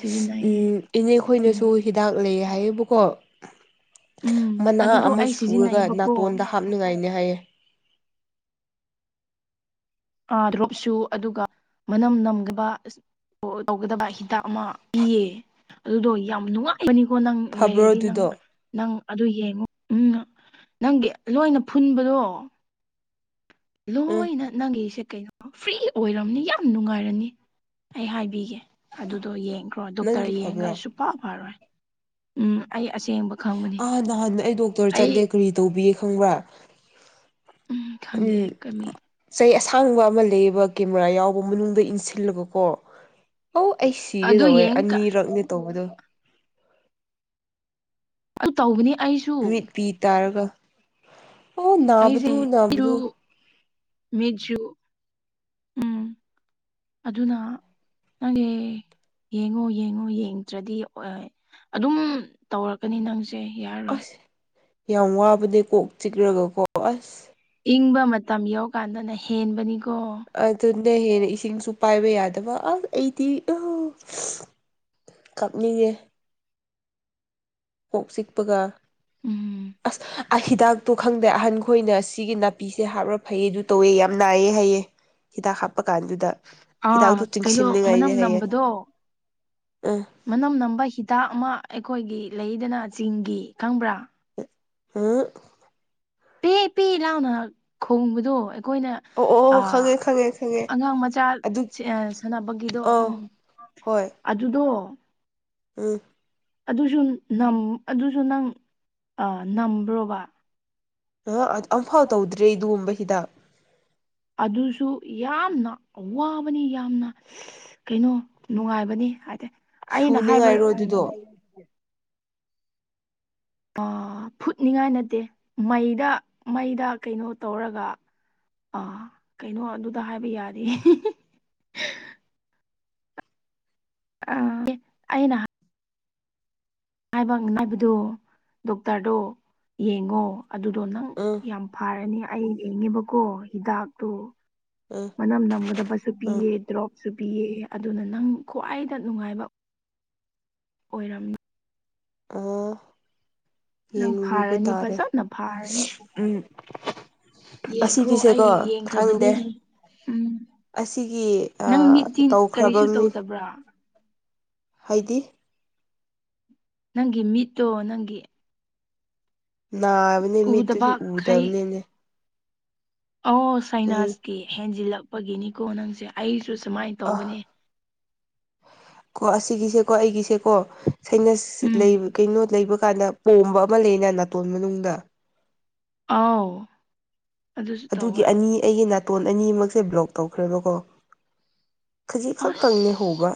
ꯎ ꯁꯤꯖꯤꯟꯅꯩꯌꯦ ꯏꯅꯦ ꯎꯝ ꯈꯣꯏꯅꯁꯨ ꯍꯤꯗꯥꯛ ꯂꯩ ꯍꯥꯏꯌꯦꯕꯀꯣ ꯎꯝ ꯃꯅꯥ ꯑꯗꯨꯗꯣ ꯑꯃ ꯑꯩ ꯁꯨꯔꯒ ꯁꯤꯖꯤꯟꯅꯩꯕꯀꯣ ꯅꯥꯇꯣꯟꯗ ꯍꯥꯞꯅꯤꯉꯥꯏꯅꯦ ꯍꯥꯏꯌꯦꯦ ꯑꯥ ꯗ꯭ꯔꯣꯞꯁꯨ ꯑꯗꯨꯒ ꯃꯅꯝ ꯅꯝꯒꯕ ꯇꯧꯒꯗꯕ ꯍꯤꯗꯥꯛ ꯑꯃ ꯄꯤꯌꯦ ꯑꯗꯨꯗꯣ ꯌꯥꯝ ꯅꯨꯡꯉꯥꯏꯕꯅꯤꯀꯣ ꯅꯪ ꯐꯕ꯭ꯔꯣ ꯂꯩꯔꯗꯤ ꯅꯪ ꯑꯗꯨꯗꯣ ꯅꯪ ꯑꯗꯨ ꯌꯦꯡꯉꯨ ꯎꯝ ꯅꯪꯒꯤ ꯂꯣꯏꯅ ꯐꯨꯟꯕꯗꯣ ꯎꯝ ꯅꯪ ꯅꯪꯒꯤꯁꯦ ꯀꯩꯅꯣ ꯐ꯭ꯔꯤ ꯑꯣꯏꯔꯝꯅꯤ ꯌꯥꯝ ꯅꯨꯡꯉꯥꯏꯔꯅꯤ ꯑꯩ ꯍꯥꯏꯕꯤꯒꯦ ꯑꯗꯨꯗꯣ ꯌꯦꯡꯈ꯭ꯔꯣ ꯗꯣꯛꯇꯔ ꯅꯪꯒꯤ ꯐꯕ꯭ꯔꯣ ꯌꯦꯡꯉꯒꯁꯨ ꯄ ꯐꯔꯣꯏ ꯎꯝ ꯑꯩ ꯑꯁꯦꯡꯕ ꯈꯪꯕꯅꯤ ꯑꯥ ꯅꯍꯥꯟꯅ ꯑꯩ ꯗꯣꯛꯇꯔ ꯑꯩ ꯆꯠꯂꯦ ꯀꯔꯤ ꯇꯧꯕꯤ ꯈꯪꯕ꯭ꯔꯥ ꯎꯝ ꯈꯪꯗꯦ ꯎꯝ ꯀꯝꯃꯤ ꯆꯩ ꯑꯁꯥꯡꯕ ꯑꯃ ꯂꯩꯕ ꯀꯦꯃꯦꯔꯥ ꯌꯥꯎꯕ ꯃꯅꯨꯡꯗ ꯏꯟꯁꯤꯜꯂꯒ ꯀꯣ ꯑꯧ ꯑꯩ ꯁꯤꯒꯦ ꯑꯗꯨ ꯇꯧꯋꯦ ꯌꯦꯡ ꯑꯅꯤꯔꯛꯅꯦ ꯇꯧꯕꯗꯣ ꯑꯗꯨ ꯇꯧꯕꯅꯤ ꯑꯩꯁꯨ ꯃꯤꯠꯄꯤꯤ ꯇꯥꯔꯒ ꯑꯣ ꯑꯩꯁꯦ ꯅꯥꯕꯗꯨ ꯃꯤꯔ ꯅꯥꯕꯗꯨ ꯃꯦꯖꯨ ꯎꯝ ꯑꯗꯨꯅ ꯅꯪꯦ ꯌꯦꯡꯉꯣ ꯌꯦꯡꯉꯣ ꯌꯦꯡꯗ꯭ꯔꯗꯤ ꯑꯗꯨꯝ ꯇꯧꯔꯛꯀꯅꯤ ꯅꯪꯁꯦ ꯌꯥꯔꯔꯣꯏ ꯑꯁ ꯌꯥꯝ ꯋꯥꯕꯗꯤ ꯀꯣꯛ ꯆꯤꯛꯂꯒꯀꯣ ꯑꯁ ꯏꯪꯕ ꯃꯇꯝ ꯌꯧꯀꯥꯟꯗꯅ ꯍꯦꯟꯕꯅꯤꯀꯣ ꯑꯗꯨꯅ ꯍꯦꯟꯅ ꯏꯁꯤꯡꯁꯨ ꯄꯥꯏꯕ ꯌꯥꯗꯕ ꯑꯁ ꯑꯩꯗꯤ ꯑ ꯀꯞꯅꯤꯡꯌꯦ ꯀꯣꯛ ꯆꯤꯛꯄꯒ ꯎꯝ ꯑꯁ ꯍꯤꯗꯥꯛꯇꯣ ꯈꯪꯗꯦ ꯑꯍꯟ ꯈꯣꯏꯅ ꯁꯤ ꯅꯥꯄꯤꯁꯦ ꯍꯥꯞꯔ ꯐꯩꯌꯦ ꯑꯗꯨ ꯇꯧꯋꯦ ꯌꯥꯝ ꯅꯥꯏꯌꯦ ꯍꯥꯏꯩꯌꯦ ꯍꯤꯗꯥꯛ ꯍꯥꯞꯄ ꯀꯥꯟꯗꯨꯗ ꯑꯥ ꯀꯩꯅꯣ ꯆꯤꯡꯁꯤꯟꯅꯤꯉꯥꯏꯅꯦ ꯃꯅꯝ ꯍꯥꯏꯌꯦ ꯅꯝꯕꯗꯣ ꯎꯝ ꯃꯅꯝ ꯅꯝꯕ ꯍꯤꯗꯥꯛ ꯑꯃ ꯑꯩꯈꯣꯏꯒꯤ ꯂꯩꯗꯅ ꯆꯤꯡꯒꯤ ꯈꯪꯕ꯭ꯔꯥ [unintelligible] ꯄꯦ ꯄꯦ ꯂꯥꯎꯅ ꯈꯣꯡꯕꯗꯣ ꯑꯩꯈꯣꯏꯅ ꯑꯣ ꯑ ꯑꯣ ꯈꯪꯉꯦ ꯈꯪꯉꯦ ꯈꯪꯉꯦ ꯑꯉꯥꯡ ꯃꯆꯥ ꯑꯗꯨ ꯁꯥꯟꯅꯕꯒꯤꯗꯣ ꯎꯝ ꯑꯥ ꯍꯣꯏ ꯑꯗꯨꯗꯣ ꯎꯝ ꯑꯗꯨꯁꯨ ꯑꯗꯨꯁꯨ ꯅꯪ ꯅꯝꯕ꯭ꯔꯣꯕ ꯑ ꯑꯃꯝꯐꯥꯎ ꯇꯧꯗ꯭ꯔꯦ ꯑꯗꯨꯒꯨꯝꯕ ꯍꯤꯗꯥꯛ ꯑꯗꯨꯁꯨ ꯌꯥꯝꯅ ꯑꯋꯥꯕꯅꯤ ꯌꯥꯝꯅ ꯑ ꯀꯩꯅꯣ ꯅꯨꯡꯉꯥꯏꯕꯅꯤ ꯍꯥꯏꯗꯤ ꯑꯩꯅ ꯍꯥꯏꯕ ꯁꯨꯅꯤꯡꯉꯥꯏꯔꯣ ꯎ ꯑꯗꯨꯗꯣ ꯑ ꯐꯨꯠꯅꯤꯡꯉꯥꯏ ꯅꯠꯇꯦ ꯃꯩꯗ ꯃꯩꯗ ꯀꯩꯅꯣ ꯇꯧꯔꯒ ꯑꯥ ꯀꯩꯅꯣ ꯑꯗꯨꯗ ꯍꯥꯏꯕ ꯌꯥꯔꯤꯌꯦ ꯑ ꯑꯅ [unintelligible] ꯗꯣꯛꯇꯔꯗꯣ ꯌꯦꯡꯉꯣ ꯑꯗꯨꯗꯣ ꯅꯪ ꯑꯥ ꯌꯥꯝ ꯐꯔꯅꯤ ꯑꯩ ꯌꯦꯡꯉꯦꯕꯀꯣ ꯍꯤꯗꯥꯛꯇꯣ ꯎꯝ ꯃꯅꯝ ꯅꯝꯒꯗꯕꯁꯨ ꯎꯝ ꯄꯤꯌꯦ ꯗ꯭ꯔꯣꯞꯁꯨ ꯄꯤꯌꯦ ꯑꯗꯨꯅ ꯅꯪ ꯈ꯭ꯋꯥꯏꯗ ꯅꯨꯡꯉꯥꯏꯕ ꯑꯣꯏꯔꯝꯃꯤ ꯑ ꯅꯪ ꯌꯦꯅ ꯎꯕ ꯐꯥꯔꯅꯤ ꯇꯥꯔꯦ ꯐꯖꯅ ꯐꯥꯔꯅꯤ ꯎꯝ ꯌꯦꯡꯈ꯭ꯔꯣ ꯑꯁꯤꯒꯤꯁꯦꯀꯣ ꯑꯩ ꯌꯦꯡꯈ꯭ꯔꯕꯅꯤ ꯈꯪꯗꯦ ꯎꯝ ꯑꯁꯤꯒꯤ ꯅꯪ ꯃꯤꯠꯇꯤ ꯇꯧꯈ꯭ꯔꯕ ꯀꯔꯤꯁꯨ ꯃꯤ ꯇꯧꯗꯕ꯭ꯔꯥ ꯍꯥꯏꯗꯤ ꯅꯪꯒꯤ ꯃꯤꯠꯇꯣ ꯅꯪꯒꯤ ꯅꯥꯕꯅꯦ ꯃꯤꯠꯇꯨꯁꯨ ꯎꯗꯕꯈꯩ ꯎꯗꯕꯅꯤꯅꯦ ꯑꯧ ꯎꯝ ꯁꯥꯏꯅꯥꯁꯀꯤ ꯍꯦꯟꯖꯤꯜꯂꯛꯄꯒꯤꯅꯤꯀꯣ ꯅꯪꯁꯦ ꯑꯩꯁꯨ ꯁꯨꯃꯥꯏꯅ ꯇꯧꯕꯅꯦ ꯑ ꯀꯣ ꯑꯁꯤꯒꯤꯁꯦꯀꯣ ꯑꯩꯒꯤꯁꯦꯀꯣ ꯁꯩꯅꯁ ꯎꯝ ꯀꯩꯅꯣ ꯂꯩꯕ ꯀꯥꯟꯗ ꯄꯣꯝꯕ ꯑꯃ ꯂꯩꯅ ꯅꯥꯇꯣꯟ ꯃꯅꯨꯡꯗ ꯑꯥꯎ ꯑꯗꯨꯁꯨ ꯑꯗꯨꯒꯤ ꯇꯧꯕ ꯑꯅꯤ ꯑꯩꯒꯤ ꯅꯥꯇꯣꯟ ꯑꯅꯤꯃꯛꯁꯦ ꯕ꯭ꯂꯣꯛ ꯇꯧꯈ꯭ꯔꯦꯕꯀꯣ ꯈꯖꯤꯛ ꯑꯁ ꯈꯛꯇꯪꯅꯤ ꯍꯧꯕ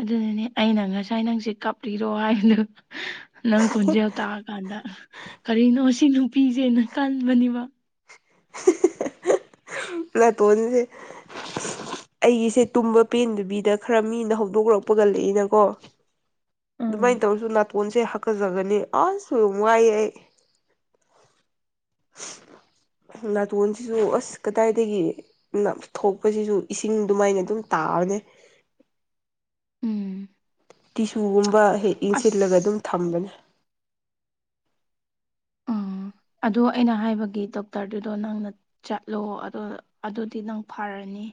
ꯑꯗꯨꯅꯅꯦ ꯑꯩꯅ ꯉꯁꯥꯏ ꯅꯪꯁꯦ ꯀꯥꯞꯂꯤꯔꯣ ꯍꯥꯏꯕꯗꯨꯣ ꯅꯪ ꯈꯣꯟꯖꯦꯜ ꯇꯥꯛꯑꯀꯥꯟꯗ ꯀꯔꯤꯅꯣ ꯁꯤ ꯅꯨꯄꯤꯁꯦꯅ ꯀꯟꯕꯅꯦꯕ [inaudible] ꯅꯇꯣꯟꯁꯦ ꯑꯩꯒꯤꯁꯦ ꯇꯨꯝꯕ ꯄꯦꯟꯗꯕꯤꯗ ꯈꯔ ꯃꯤꯅ ꯍꯧꯗꯣꯛꯂꯛꯄꯒꯜꯂꯛꯏꯅꯀꯣ ꯑꯗꯨꯃꯥꯏꯅ ꯎꯝ ꯇꯧꯔꯁꯨ ꯅꯥꯇꯣꯟꯁꯦ ꯍꯥꯀꯠꯆꯒꯅꯤ ꯑꯁ ꯌꯥꯝ ꯋꯥꯏꯌꯦ ꯑꯩ ꯅꯇꯣꯟꯁꯤꯁꯨ ꯀꯗꯥꯏꯗꯒꯤ ꯊꯣꯛꯄꯁꯤꯁꯨ ꯏꯁꯤꯡ ꯑꯗꯨꯃꯥꯏꯅ ꯑꯗꯨꯝ ꯇꯥꯕꯅꯦ ꯎꯝ ꯇꯤꯁꯨꯒꯨꯝꯕ ꯍꯦꯛ ꯏꯟꯁꯤꯜꯂꯒ ꯑꯗꯨꯝ ꯑꯁ ꯊꯝꯕꯅꯦ ꯎꯝ ꯑꯗꯣ ꯑꯩꯅ ꯍꯥꯏꯕꯒꯤ ꯗꯣꯛꯇꯔꯗꯨꯗꯣ ꯅꯪꯅ ꯆꯠꯂꯣ ꯑꯗꯨ ꯑꯗꯨꯗꯤ ꯅꯪ ꯐꯔꯅꯤ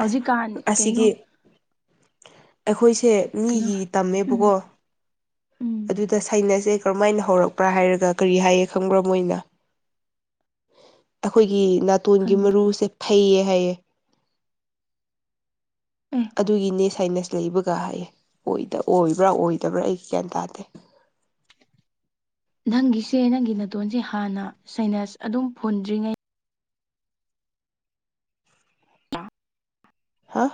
ꯑꯁ ꯀꯩꯅꯣ ꯑꯁꯤꯒꯤ ꯑꯩꯈꯣꯏꯁꯦ ꯀꯩꯅꯣ ꯃꯤꯒꯤ ꯇꯝꯃꯦꯕꯀꯣ ꯎꯝ ꯎꯝ ꯑꯗꯨ ꯑꯗ ꯁꯥꯏꯩꯅꯁꯁꯦ ꯀꯔꯝꯥꯏꯅ ꯍꯧꯔꯛꯄ꯭ꯔꯥ ꯍꯥꯏꯔꯒ ꯀꯔꯤ ꯍꯥꯏꯌꯦ ꯈꯪꯕ꯭ꯔꯥ ꯃꯣꯏꯅ ꯑꯩꯈꯣꯏꯒꯤ ꯅꯥꯇꯣꯟꯒꯤ ꯈꯪꯗꯦ ꯃꯔꯨꯁꯦ ꯐꯩꯌꯦ ꯍꯥꯏꯌꯦ ꯑ ꯑꯗꯨꯒꯤꯅꯦ ꯁꯥꯏꯅꯁ ꯂꯩꯕꯒ ꯍꯥꯏꯌꯦ ꯑꯣꯏꯕ꯭ꯔꯥ ꯑꯣꯏꯗꯕ꯭ꯔꯥ ꯑꯩ ꯒ꯭ꯌꯥꯟ ꯇꯥꯗꯦ ꯅꯪꯒꯤꯁꯦ ꯅꯪꯒꯤ ꯅꯥꯇꯣꯟꯁꯦ ꯍꯥꯟꯅ ꯁꯥꯏꯅꯁ ꯑꯗꯨꯝ ꯐꯨꯟꯗ꯭ꯔꯤꯉꯩ ꯍꯥꯥ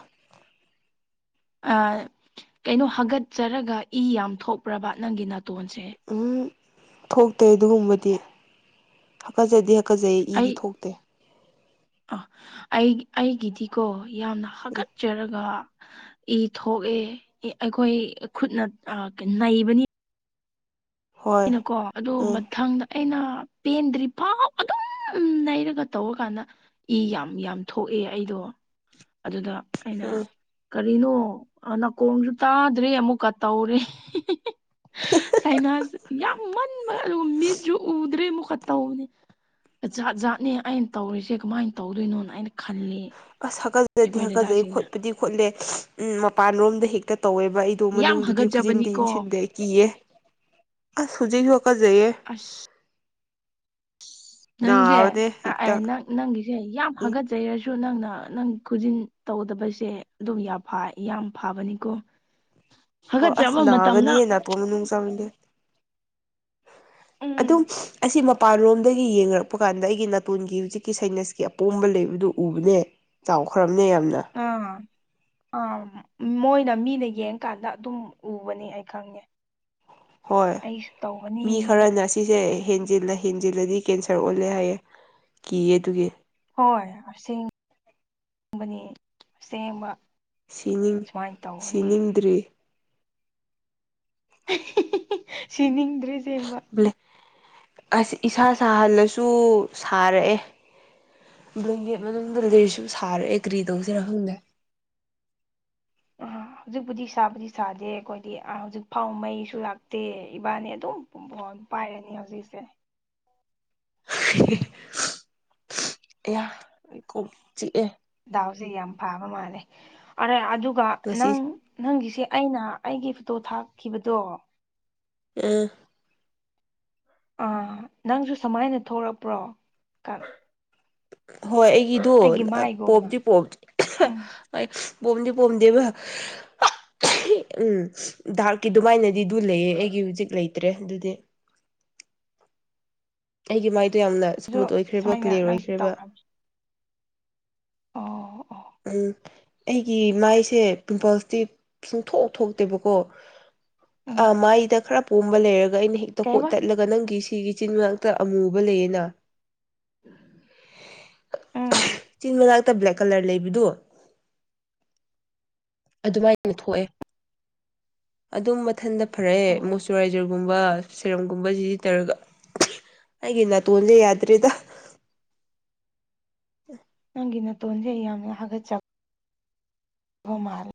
ꯀꯩꯅꯣ ꯍꯥꯒꯠꯆꯔꯒ ꯏ ꯌꯥꯝ ꯊꯣꯛꯄ꯭ꯔꯕ ꯅꯪꯒꯤ ꯅꯥꯇꯣꯟꯁꯦ ꯎꯝ ꯊꯣꯛꯇꯦ ꯑꯗꯨꯒꯨꯝꯕꯗꯤ ꯍꯥꯛꯀꯠꯆꯗꯤ ꯀꯖꯩ ꯑꯩ ꯏꯗꯤ ꯊꯣꯛꯇꯦ ꯑ ꯑꯩ ꯑꯩꯒꯤꯗꯤꯀꯣ ꯌꯥꯝꯅ ꯎꯝ ꯍꯥꯀꯠꯆꯔꯒ ꯏ ꯊꯣꯛꯑꯦ ꯑꯩꯈꯣꯏ ꯈꯨꯠꯅ ꯅꯩꯕꯅꯤ ꯍꯣꯏ ꯑꯩꯅꯀꯣ ꯑꯗꯨ ꯎꯝ ꯃꯊꯪꯗ ꯑꯩꯅ ꯄꯦꯟꯗ꯭ꯔꯤ ꯄꯥꯎ ꯑꯗꯨꯝ ꯎ ꯅꯩꯔꯒ ꯇꯧꯔꯀꯥꯟꯗ ꯏ ꯌꯥꯝ ꯌꯥꯝ ꯊꯣꯛꯑꯦ ꯑꯩꯗꯣ ꯑꯗꯨꯗ ꯑꯩꯅ ꯎꯝ ꯀꯔꯤꯅꯣ ꯅꯥꯀꯣꯡꯁꯨ ꯇꯥꯗ꯭ꯔꯔꯤ ꯑꯃꯨꯛꯀ ꯇꯧꯔꯦ ꯁꯥꯏꯅꯥꯁ ꯌꯥꯝꯃꯟ ꯃꯤꯠꯁꯨꯨ ꯎꯗ꯭ꯔꯦ ꯃꯨ ꯇꯧꯅꯤ ꯖꯥꯠ ꯖꯥꯠꯅꯦ ꯑꯩꯅ ꯇꯧꯔꯤꯁꯦ ꯀꯃꯥꯏꯅ ꯇꯧꯗꯣꯏꯅꯣꯅ ꯑꯩꯅ ꯈꯜꯂꯤ ꯑꯁ ꯍꯥꯛꯀꯠꯆꯗꯤ ꯑꯩꯈꯣꯏ ꯍꯥꯛꯀꯠꯆꯩ ꯗꯗꯥꯁꯤꯡꯅ ꯈꯣꯠꯄꯗꯤ ꯈꯣꯠꯂꯦ ꯎ ꯃꯄꯥꯟꯂꯣꯝꯗ ꯍꯦꯛꯇ ꯇꯧꯋꯦꯕ ꯑꯩ ꯑꯗꯨꯣ ꯌꯥꯝ ꯃꯅꯨꯡꯗꯨꯗꯤ ꯈꯨꯖꯤꯟꯗꯤ ꯍꯥꯒꯠꯆꯕꯅꯤꯀꯣ ꯏꯟꯁꯤꯟꯗꯦ ꯀꯤꯌꯦ ꯑꯁ ꯍꯧꯖꯤꯛꯁꯨꯀꯖꯩꯌꯦ ꯑꯁ ꯅꯥꯕꯅꯦ ꯍꯦꯛꯇ ꯅꯪꯖꯦꯅ ꯅꯪꯒꯤꯁꯦ ꯌꯥꯝ ꯍꯥꯒꯠꯆꯩꯔꯁꯨ ꯅꯪꯅ ꯅꯪ ꯈꯨꯖꯤꯟ ꯇꯧꯗꯕꯁꯦ ꯑꯗꯨꯝ ꯌꯥꯝ ꯐꯕꯅꯤꯀꯣ [inaudible] ꯍꯣꯏ ꯑꯁ ꯍꯥꯒꯠꯆꯕ ꯃꯇꯝꯗ ꯅꯥꯒꯅꯤꯌꯦ ꯅꯄ ꯃꯅꯨꯡꯅꯨꯡ ꯆꯪꯗꯦ ꯑꯗꯨꯝ ꯎꯝ ꯑꯁꯤ ꯃꯄꯥꯟꯂꯣꯝꯗꯒꯤ ꯌꯦꯡꯔꯛꯄ ꯀꯥꯟꯗ ꯑꯩꯒꯤ ꯅꯥꯇꯣꯟꯒꯤ ꯍꯧꯖꯤꯛꯀꯤ ꯁꯥꯏꯅꯁꯀꯤ ꯑꯄꯣꯝꯕ ꯂꯩꯕꯗꯨ ꯎꯕꯅꯦ ꯆꯥꯎꯈ꯭ꯔꯕꯅꯦ ꯌꯥꯝꯅ ꯑꯥ ꯑꯥ ꯃꯣꯏꯅ ꯃꯤꯅ ꯌꯦꯡꯀꯥꯟꯗ ꯑꯗꯨꯝ ꯎꯕꯅꯤ ꯑꯩ ꯈꯪꯉꯦ ꯍꯣꯏ ꯑꯩꯁꯨ ꯇꯧꯕꯅꯦ ꯃꯤ ꯈꯔꯅ ꯁꯤꯁꯦ ꯍꯦꯟꯖꯤꯜꯂ ꯍꯦꯟꯖꯤꯜꯂꯗꯤ ꯀꯦꯟꯁꯔ ꯑꯣꯜꯂꯦ ꯍꯥꯏꯌꯦꯦ ꯀꯤꯌꯦ ꯑꯗꯨꯒꯤ ꯍꯣꯏ ꯑꯁꯦꯡꯕꯅꯤ ꯑꯁꯦꯡꯕ ꯁꯤꯅꯤꯡ ꯁꯨꯃꯥꯏꯅ ꯇꯧꯕꯅꯦ ꯁꯤꯅꯤꯡꯗ꯭ꯔꯤ ꯁꯤꯅꯤꯡꯗ꯭ꯔꯦ ꯌꯦꯡꯕ ꯑꯁ ꯏꯁꯥ ꯁꯥꯍꯜꯂꯁꯨ ꯁꯥꯔꯛꯑꯦ ꯕ꯭ꯂꯦꯡꯀꯦꯠ ꯃꯅꯨꯡꯗ ꯂꯩꯁꯨ ꯁꯥꯔ ꯑꯦꯒ꯭ꯔꯤ ꯇꯧꯁꯤꯔꯛꯐꯝꯪꯗꯦ ꯑ [inaudible] ꯍꯧꯖꯤꯛꯄꯨꯗꯤ ꯁꯥꯕꯨꯗꯤ ꯁꯥꯗꯦ ꯑꯩꯈꯣꯏꯗꯤ ꯍꯧꯖꯤꯛ ꯐꯥꯎ ꯃꯩꯁꯨ ꯂꯥꯛꯇꯦ ꯏꯕꯥꯅꯤ ꯑꯗꯨꯝ ꯄꯥꯏꯔꯅꯤ ꯍꯧꯖꯤꯁꯦ ꯏꯌꯥ ꯑꯩ ꯀꯣꯛ ꯆꯤꯛꯑꯦ ꯗꯥꯎꯁꯦ ꯌꯥꯝ ꯐꯥꯕ ꯃꯥꯜꯂꯦ ꯑꯗꯨꯒ ꯉꯁꯤ ꯅꯪ ꯅꯪꯒꯤꯁꯦ ꯑꯩꯅ ꯑꯩꯒꯤ ꯐꯣꯇꯣ ꯊꯥꯛꯈꯤꯕꯗꯣ ꯎ ꯑꯥ ꯅꯪꯁꯨ ꯁꯃꯥꯏꯅ ꯊꯣꯛꯂꯛꯄ꯭ꯔꯣ ꯍꯣꯏ ꯑꯩꯒꯤꯗꯣ ꯑꯩꯒꯤ ꯃꯥꯏꯒꯨꯝꯅ ꯄꯣꯞꯇꯗꯤ ꯄꯣꯞꯇ ꯎꯝ ꯍꯣꯏ ꯄꯣꯝꯗꯤ ꯄꯣꯝꯗꯦꯕ ꯎꯝ ꯗꯔꯛꯀꯤ ꯑꯗꯨꯃꯥꯏꯅꯗꯤ ꯑꯗꯨ ꯂꯩꯌꯦ ꯑꯩꯒꯤ ꯍꯧꯖꯤꯛ ꯂꯩꯇ꯭ꯔꯦ ꯑꯗꯨꯗꯤ ꯑꯩꯒꯤ ꯃꯥꯏꯗꯣ ꯌꯥꯝꯅ ꯑꯗꯨ ꯏꯁꯃꯨꯠ ꯑꯣꯏꯈ꯭ꯔꯦꯕ ꯁꯨꯃꯥꯏꯅ ꯀ꯭ꯂꯤꯌꯥꯔ ꯅꯪꯁꯨ ꯑꯣꯏꯈ꯭ꯔꯦꯕ ꯇꯧꯔꯝꯃꯤ ꯑꯣ ꯑꯣ ꯎꯝ ꯑꯩꯒꯤ ꯃꯥꯏꯁꯦ ꯄꯤꯝꯄꯜꯁꯇꯤ ꯁꯨꯡꯊꯣꯛ ꯊꯣꯛꯇꯦꯕꯀꯣ ꯎꯝ ꯑ ꯃꯥꯏꯗ ꯈꯔ ꯄꯣꯝꯕ ꯂꯩꯔꯒ ꯑꯩꯅ ꯍꯦꯛꯇ ꯀꯣꯠ ꯀꯩꯕ ꯇꯠꯂꯒ ꯅꯪꯒꯤ ꯁꯤꯒꯤꯆꯤꯟ ꯃꯅꯥꯛꯇ ꯑꯃꯨꯕ ꯂꯩꯌꯦꯅ ꯎꯝ ꯆꯤꯟ ꯃꯅꯥꯛꯇꯥ ꯭ꯂꯦꯛ ꯀꯂꯔ ꯂꯩꯕꯤ ꯑꯗꯨꯃꯥꯏꯅ ꯊꯣꯛꯑꯦ ꯑꯗꯨꯝ ꯃꯊꯟꯗ ꯑꯣ ꯐꯔꯛꯑꯦ ꯃꯣꯏꯆꯔꯥꯏꯖꯔ ꯒꯨꯝꯕ ꯁꯦꯔꯝꯒꯨꯝꯕ ꯁꯤꯖꯤꯟꯅꯔꯒ ꯑꯩꯒꯤ ꯅꯥꯇꯣꯟꯁꯦ ꯌꯥꯗ꯭ꯔꯦꯗ ꯑ ꯅꯪꯒꯤ ꯅꯥꯇꯣꯟꯁꯦ ꯑꯩ ꯌꯥꯝꯅ ꯍꯥꯒꯠꯆꯕ ꯃꯥꯜꯔ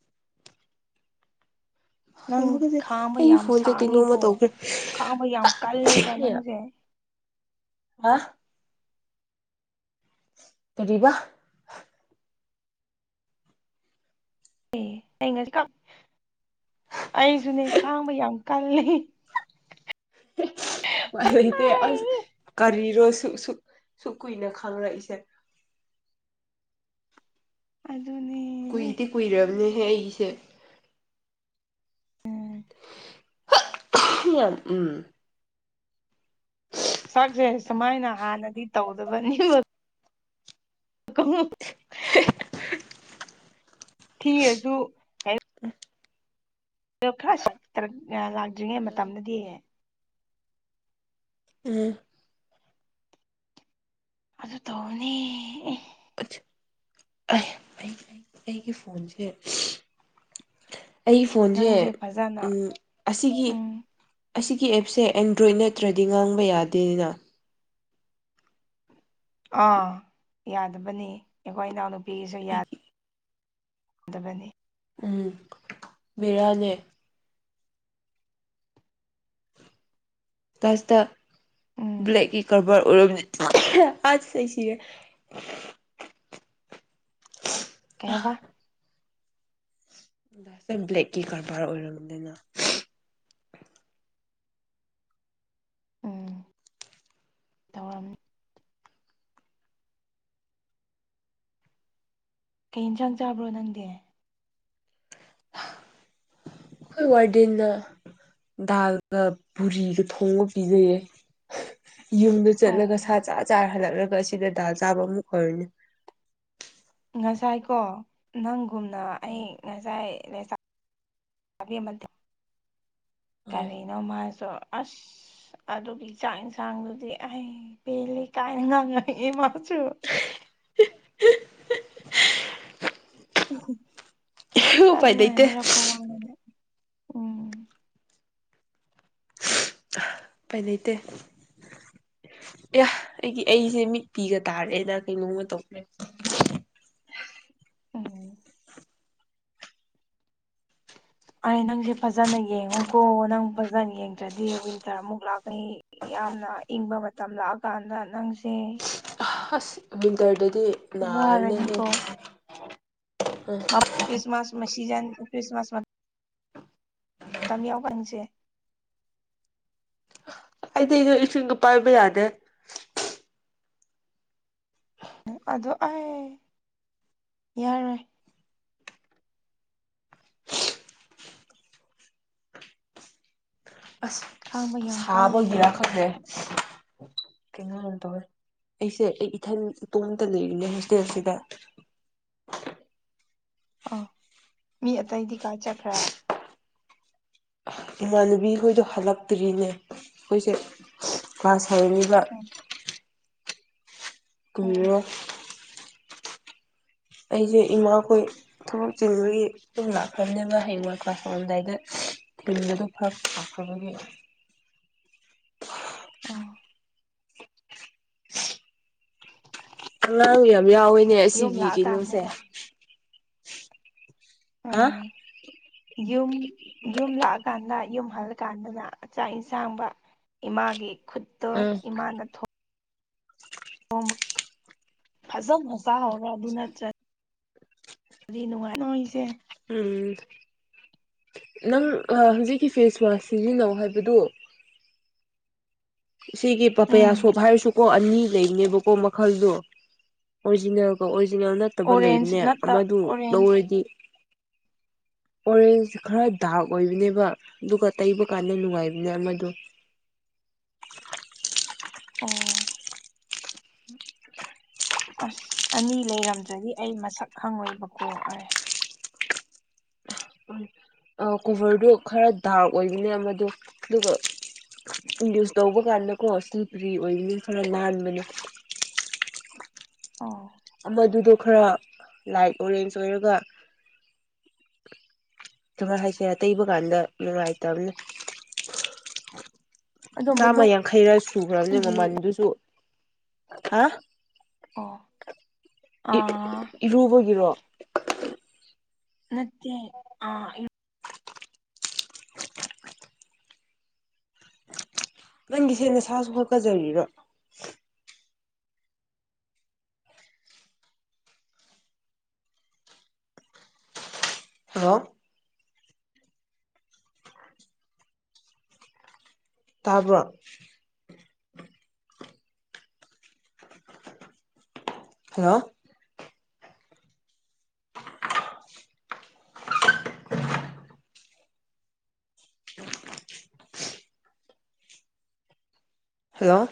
ꯅꯪ ꯈꯥꯡꯕ ꯑꯩꯒꯤ ꯌꯥꯝ ꯐꯣꯟꯁꯦ ꯀꯩꯅꯣꯝꯃ ꯁꯥꯡꯉꯤꯀꯣ ꯇꯧꯈ꯭ꯔꯦ ꯈꯥꯡꯕ ꯌꯥꯝ ꯀꯜꯂꯦꯕ ꯅꯪꯁꯦ ꯑ ꯇꯔꯤꯕ ꯑꯦ ꯑꯩ ꯉꯁꯤ ꯑꯩꯁꯨꯅꯦ ꯈꯥꯡꯕ ꯌꯥꯝ ꯀꯜꯂꯤ ꯏ ꯑ ꯀꯔꯤꯔꯣ ꯁꯨ ꯁꯨ ꯁꯨ ꯀꯨꯏꯅ ꯈꯪꯪꯂꯛꯏꯁꯦ ꯑꯗꯨꯅꯤ ꯀꯨꯏꯗꯤꯦ ꯀꯨꯏꯔꯕꯅꯦꯍꯦ ꯑꯩꯁꯦ ꯎꯝ ꯎꯝ ꯆꯥꯛꯁꯦ ꯁꯨꯃꯥꯏꯅ ꯍꯥꯟꯅꯗꯤ ꯇꯧꯗꯕꯅꯤ ꯀꯣ [inaudible] ꯊꯁꯨ ꯈꯔ ꯂꯥꯛꯇ꯭ꯔꯤꯉꯩ ꯃꯇꯝꯗꯗꯤ ꯎꯝ ꯑꯗꯨ ꯇꯣꯅꯤ ꯑꯩꯒꯤ ꯐꯣꯟꯁꯦ ꯑꯩ ꯐꯣꯟꯁꯦ ꯅꯪꯁꯦ ꯐꯖꯅ ꯑꯁꯤꯒꯤ ꯎꯝ ꯑꯁꯤꯒꯤ ꯑꯦꯞꯁꯦ ꯑꯦꯟꯗ꯭ꯔꯣꯏꯗ ꯅꯠꯇ꯭ꯔꯗꯤ ꯉꯥꯡꯕ ꯌꯥꯗꯦꯅ ꯑꯥ ꯌꯥꯗꯕꯅꯤ ꯑꯩꯈꯣꯏ ꯏꯅꯥꯎꯅꯨꯄꯤꯒꯤꯁꯨ ꯌꯥ ꯑꯩꯒꯤ ꯗꯕꯅꯤ ꯎꯝ ꯕꯤꯔꯥꯜꯂꯦ ꯀꯁꯤꯇ ꯎꯝ ꯕ꯭ꯂꯦꯛꯀꯤ ꯀꯔꯕꯥꯔ ꯑꯣꯏꯔꯝ ꯑꯁꯤꯒꯦ ꯀꯩꯕ ꯕ꯭ꯂꯦꯛꯀꯤ ꯀꯔꯕꯥꯔ ꯑꯣꯏꯔꯨꯗꯅ ꯎꯝ ꯇꯧꯔꯝꯅꯤ ꯀꯩ ꯌꯦꯟꯁꯥꯡ ꯆꯥꯕ꯭ꯔꯣ ꯅꯪꯗꯤ ꯑꯈꫭꯏ ꯋꯥꯗꯤꯟꯅ ꯗꯥꯜꯒ ꯄꯨꯣꯔꯤꯒ ꯊꯣꯡꯕ ꯄꯤꯖꯩꯌꯦ ꯌꯨꯝꯗ ꯑꯣ ꯆꯠꯂꯒ ꯁꯥ ꯆꯥꯔ ꯆꯥꯔ ꯍꯜꯂꯛꯂꯒ ꯑꯁꯤꯗ ꯗꯥꯜ ꯆꯥꯕ ꯑꯃꯨꯛ ꯑꯣꯏꯔꯅꯤ ꯉꯁꯥꯏ ꯀꯣ ꯅꯪꯒꯨꯝꯅ ꯑꯩ ꯎꯝ ꯉꯁꯥꯏꯆ ꯀꯔꯤꯅꯣ ꯃꯥꯁꯨ ꯑꯁ ꯑꯗꯨꯒꯤ ꯆꯥꯛ ꯏꯟꯁꯥꯡꯗꯨꯗꯤ ꯑꯩ ꯄꯦꯜꯂꯤ ꯀꯥꯏꯅ ꯉꯥꯡꯉ ꯏ ꯃꯁꯨ ꯎꯝ ꯎꯄꯥꯏ ꯑꯗꯨꯃꯥꯏꯅ ꯂꯩꯇꯦ ꯍꯥꯏꯔꯛꯄ ꯋꯥꯅꯦ ꯎꯝ ꯎꯄꯥꯏ ꯂꯩꯩꯇꯦ ꯑꯦ ꯑꯩꯗꯤ ꯑꯩꯁꯦ ꯃꯤꯠꯄꯤꯒ ꯇꯥꯔꯦꯗ ꯀꯩꯅꯣꯝꯃ ꯇꯧꯈ꯭ꯔꯦ ꯎꯝ ꯑꯔꯦ ꯅꯪꯁꯦ ꯐꯖꯅ ꯌꯦꯡꯉꯨꯀꯣ ꯅꯪ ꯐꯖꯅ ꯌꯦꯡꯗ꯭ꯔꯗꯤ ꯋꯤꯟꯇꯔ ꯑꯃꯨꯛ ꯂꯥꯛꯀꯅꯤ ꯌꯥꯝꯅ ꯏꯪꯕ ꯃꯇꯝ ꯂꯥꯛꯑꯀꯥꯟꯗ ꯅꯪꯁꯦ ꯑꯁ ꯋꯤꯟꯇꯔꯗꯗꯤ ꯅꯥꯕꯅ ꯍꯦ ꯋꯥꯔꯅꯤꯀꯣ ꯀ꯭ꯔꯤꯁꯃꯥꯁ ꯃ ꯁꯤꯖꯟ ꯈ꯭ꯔꯤꯁꯃꯁ ꯃ ꯃꯇꯝ ꯌꯥꯎꯕꯪꯁꯦ ꯍꯥꯏꯗꯤꯗꯣ ꯏꯁꯤꯡꯗꯣ ꯄꯥꯏꯕ ꯌꯥꯅꯦ ꯑꯗꯣ ꯑꯩ ꯌꯥꯔꯣꯏ ꯈꯥꯡꯕ ꯌꯥꯝ ꯀꯜꯂꯦ ꯁꯥꯕꯒꯤꯔꯈꯦ ꯀꯩꯅꯣ ꯇꯧꯋꯦ ꯑꯩꯁꯦ ꯑꯩ ꯏꯊꯜ ꯏꯇꯣꯝꯇ ꯂꯩꯔꯤꯅꯦ ꯍꯣꯁꯇꯦꯜꯁꯤꯗ ꯑꯥ ꯃꯤ ꯑꯇꯩꯗꯤ ꯀꯥꯏ ꯆꯠꯈ꯭ꯔ ꯏꯃꯥꯟꯅꯕꯤꯈꯣꯏꯗꯣ ꯍꯜꯂꯛꯇ꯭ꯔꯤꯅꯦ ꯑꯩꯈꯣꯏꯁꯦ ꯃꯥ ꯍꯔꯝꯃꯤꯕ ꯑꯣ ꯀꯨꯝꯔꯣ ꯑꯩꯁꯦ ꯏꯃꯥꯈꯣꯏ ꯊꯕꯛ ꯆꯤꯨꯒꯤ ꯑꯗꯨꯝ ꯂꯥꯛꯈ꯭ꯔꯕꯅꯦꯕ ꯍꯌꯦꯡ ꯀ꯭ꯂꯥꯁꯔꯝꯗꯥꯏꯗ ꯇꯜ ꯑꯗꯨ ꯐꯛ ꯊꯥꯛꯕꯒꯤ ꯑꯥ ꯑꯉꯥꯡ ꯌꯥꯝ ꯌꯥꯎꯋꯦꯅꯦ ꯌꯨꯝ ꯑꯁꯤꯒꯤ ꯀꯩꯅꯣꯁꯦ ꯂꯥꯛꯑꯀꯥꯟꯗꯅ ꯍꯥ ꯎꯝ ꯌꯨꯝ ꯌꯨꯝ ꯂꯥꯛꯑꯀꯥꯟꯗ ꯌꯨꯝ ꯍꯜꯂꯀꯥꯟꯗꯅꯥꯛ ꯏꯟꯁꯥꯡꯕ ꯏꯃꯥꯒꯤ ꯈꯨꯠꯇꫭ ꯑꯥ ꯏꯃꯥꯅ ꯊꯣꯛ ꯑꯣ ꯐꯖꯝ ꯃꯁꯥꯔ ꯑꯗꯨꯅ ꯑꯗꯨꯗꯤ ꯅꯨꯡꯉꯥꯏꯅꯣ ꯑꯩꯁꯦ ꯎꯝ ꯅꯪ ꯍꯧꯖꯤꯛꯀꯤ ꯐꯦꯁ ꯋꯥꯁ ꯁꯤꯖꯤꯟꯅꯧ ꯍꯥꯏꯕꯗꯨ ꯁꯤꯒꯤ ꯄꯥꯄꯥꯌꯥ ꯎꯝ ꯁꯣꯞ ꯍꯥꯏꯔꯁꯨ ꯀꯣ ꯑꯅꯤ ꯂꯩꯅꯦꯕꯀꯣ ꯃꯈꯜꯗꯣ ꯑꯣꯔꯤꯖꯤꯅꯦꯜ ꯀꯣ ꯑꯣꯔꯤꯖꯤꯅꯦꯜ ꯅꯠꯇ ꯐꯠꯇꯕ ꯑꯣꯔꯦꯟꯖ ꯂꯩꯕꯅꯦ ꯅꯠꯇ ꯑꯃꯗꯨ ꯑꯣꯔꯦꯟꯖ ꯂꯧꯔꯗꯤ ꯑꯣꯔꯦꯟꯖ ꯈꯔ ꯗꯥꯔꯛ ꯑꯣꯏꯕꯅꯦꯕ ꯑꯗꯨꯒ ꯇꯩꯕ ꯀꯥꯟꯗ ꯅꯨꯡꯉꯥꯏꯕꯅꯦ ꯑꯃꯗꯣ ꯑꯣ ꯎꯝ ꯑꯁ ꯑꯅꯤ ꯂꯩꯔꯝꯗ꯭ꯔꯗꯤ ꯑꯩ ꯃꯁꯛ ꯍꯪꯉꯣꯏꯕꯀꯣ ꯑꯔꯦ ꯑꯥ ꯑꯧ ꯀꯣꯚꯔꯗꯨ ꯈꯔ ꯗꯥꯔꯛ ꯑꯣꯏꯒꯅꯦ ꯃꯗꯣ ꯑꯗꯨꯒ ꯏꯟꯗ꯭ꯌꯨꯁ ꯇꯧꯕ ꯀꯥꯟꯗꯀꯣ ꯁꯤꯜꯄ꯭ꯔꯤ ꯑꯣꯏꯅꯤ ꯈꯔ ꯂꯥꯟꯕꯅꯦ ꯑꯣ ꯃꯗꯨꯗꯣ ꯈꯔ ꯂꯥꯏꯠ ꯑꯣꯔꯦꯟꯖ ꯑꯣꯏꯔꯒ ꯀꯃꯥꯏ ꯍꯥꯏꯁꯦ ꯇꯩꯕ ꯀꯥꯟꯗ ꯅꯨꯡꯉꯥꯏꯇꯕꯅ ꯑꯗꯣ ꯆꯥꯝꯃ ꯌꯥꯡꯈꯩꯔ ꯁꯨꯈ꯭ꯔꯕꯅꯦ ꯃꯅꯨꯡꯒꯤ ꯃꯃꯜꯗꯨꯁꯨ ꯍꯥ ꯑꯣ ꯑ ꯏꯔꯨꯕꯒꯤꯔꯣ ꯅꯠꯇꯦ ꯑ ꯅꯪꯒꯤꯁꯦ ꯅꯁꯥꯁꯨ ꯍꯣꯠꯀꯖꯔꯤꯔꯣ ꯍꯜꯂꯣ ꯇꯥꯕ꯭ꯔꯣ ꯍꯜꯂꯣ ꯍꯜꯂꯣ